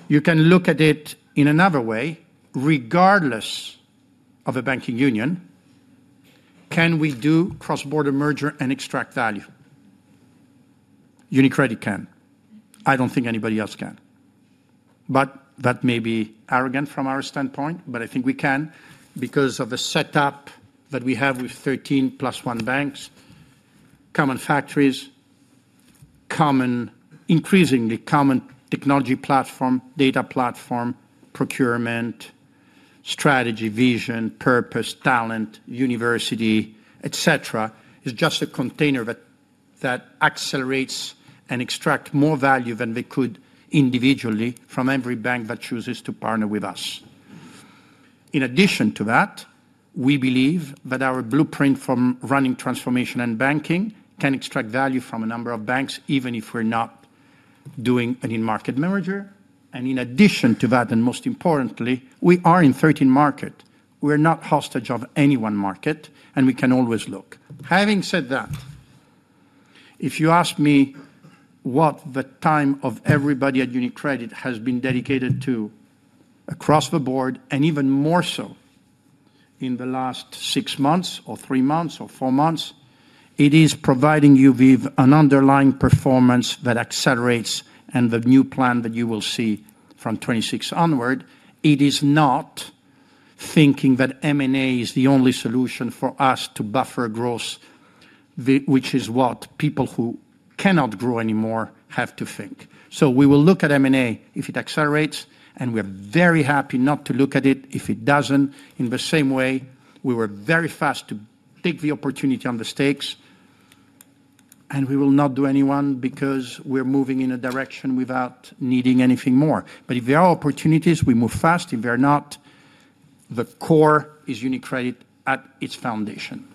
You can look at it in another way. Regardless of a banking union, can we do cross-border merger and extract value? UniCredit can. I don't think anybody else can. That may be arrogant from our standpoint, but I think we can because of the setup that we have with 13 plus 1 banks, common factories, increasingly common technology platform, data platform, procurement, strategy, vision, purpose, talent, university, etc. It's just a container that accelerates and extracts more value than we could individually from every bank that chooses to partner with us. In addition to that, we believe that our blueprint from running transformation and banking can extract value from a number of banks even if we're not doing an in-market merger. Most importantly, we are in 13 markets. We're not hostage of any one market, and we can always look. Having said that, if you ask me what the time of everybody at UniCredit has been dedicated to across the board, and even more so in the last six months or three months or four months, it is providing you with an underlying performance that accelerates and the new plan that you will see from 2026 onward. It is not thinking that M&A is the only solution for us to buffer growth, which is what people who cannot grow anymore have to think. We will look at M&A if it accelerates, and we're very happy not to look at it if it doesn't. In the same way, we were very fast to take the opportunity on the stakes, and we will not do anyone because we're moving in a direction without needing anything more. If there are opportunities, we move fast. If there are not, the core is UniCredit at its foundation.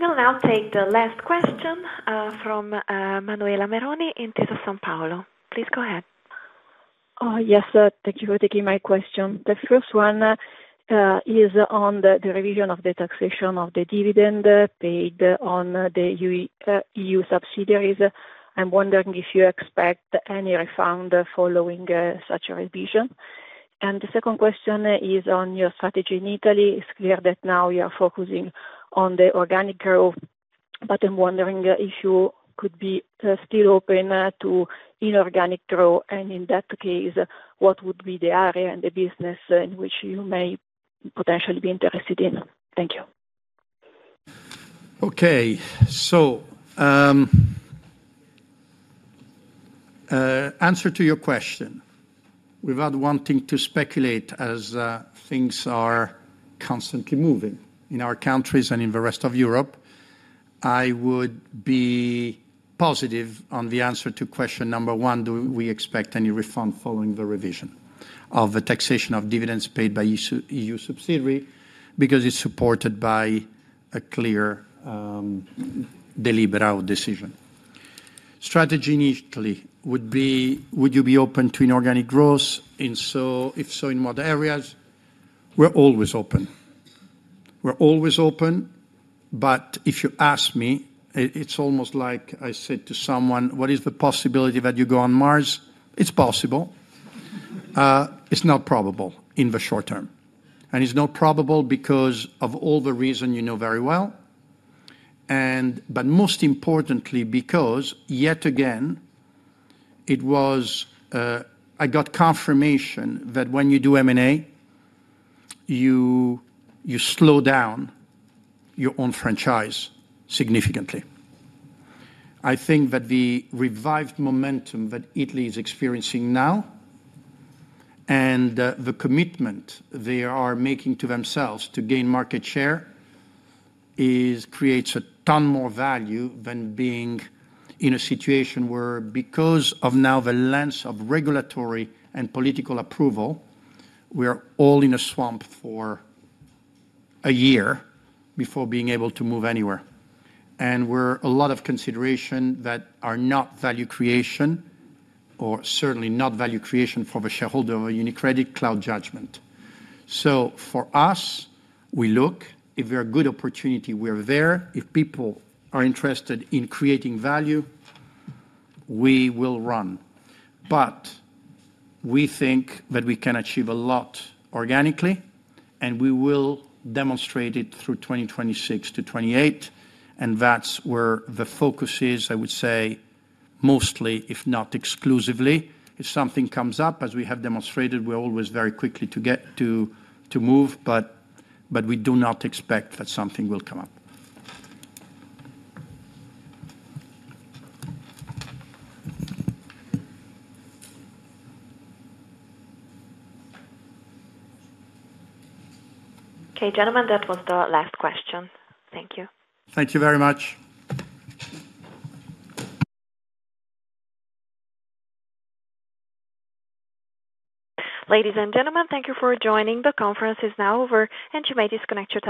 We will now take the last question from Manuela Meroni in Intesa Sanpaolo. Please go ahead. Yes, thank you for taking my question. The first one is on the revision of the taxation of the dividend paid on the EU subsidiaries. I'm wondering if you expect any refund following such a revision. The second question is on your strategy in Italy. It's clear that now you are focusing on the organic growth, but I'm wondering if you could be still open to inorganic growth, and in that case, what would be the area and the business in which you may potentially be interested in? Thank you. Okay, so, answer to your question, without wanting to speculate as things are constantly moving in our countries and in the rest of Europe, I would be positive on the answer to question number one. Do we expect any refund following the revision of the taxation of dividends paid by EU subsidiaries because it's supported by a clear deliberal decision. Strategy initially would be, would you be open to inorganic growth? If so, in what areas? We're always open. We're always open, but if you ask me, it's almost like I said to someone, what is the possibility that you go on Mars? It's possible. It's not probable in the short term. It's not probable because of all the reasons you know very well, and most importantly, because yet again, I got confirmation that when you do M&A, you slow down your own franchise significantly. I think that the revived momentum that Italy is experiencing now and the commitment they are making to themselves to gain market share creates a ton more value than being in a situation where, because of now the lens of regulatory and political approval, we are all in a swamp for a year before being able to move anywhere. There are a lot of considerations that are not value creation or certainly not value creation for the shareholder of a UniCredit cloud judgment. For us, we look, if there are good opportunities, we're there. If people are interested in creating value, we will run. We think that we can achieve a lot organically, and we will demonstrate it through 2026 to 2028. That's where the focus is, I would say, mostly, if not exclusively. If something comes up, as we have demonstrated, we're always very quick to move, but we do not expect that something will come up. Okay, gentlemen, that was the last question. Thank you. Thank you very much. Ladies and gentlemen, thank you for joining. The conference is now over, and you may disconnect.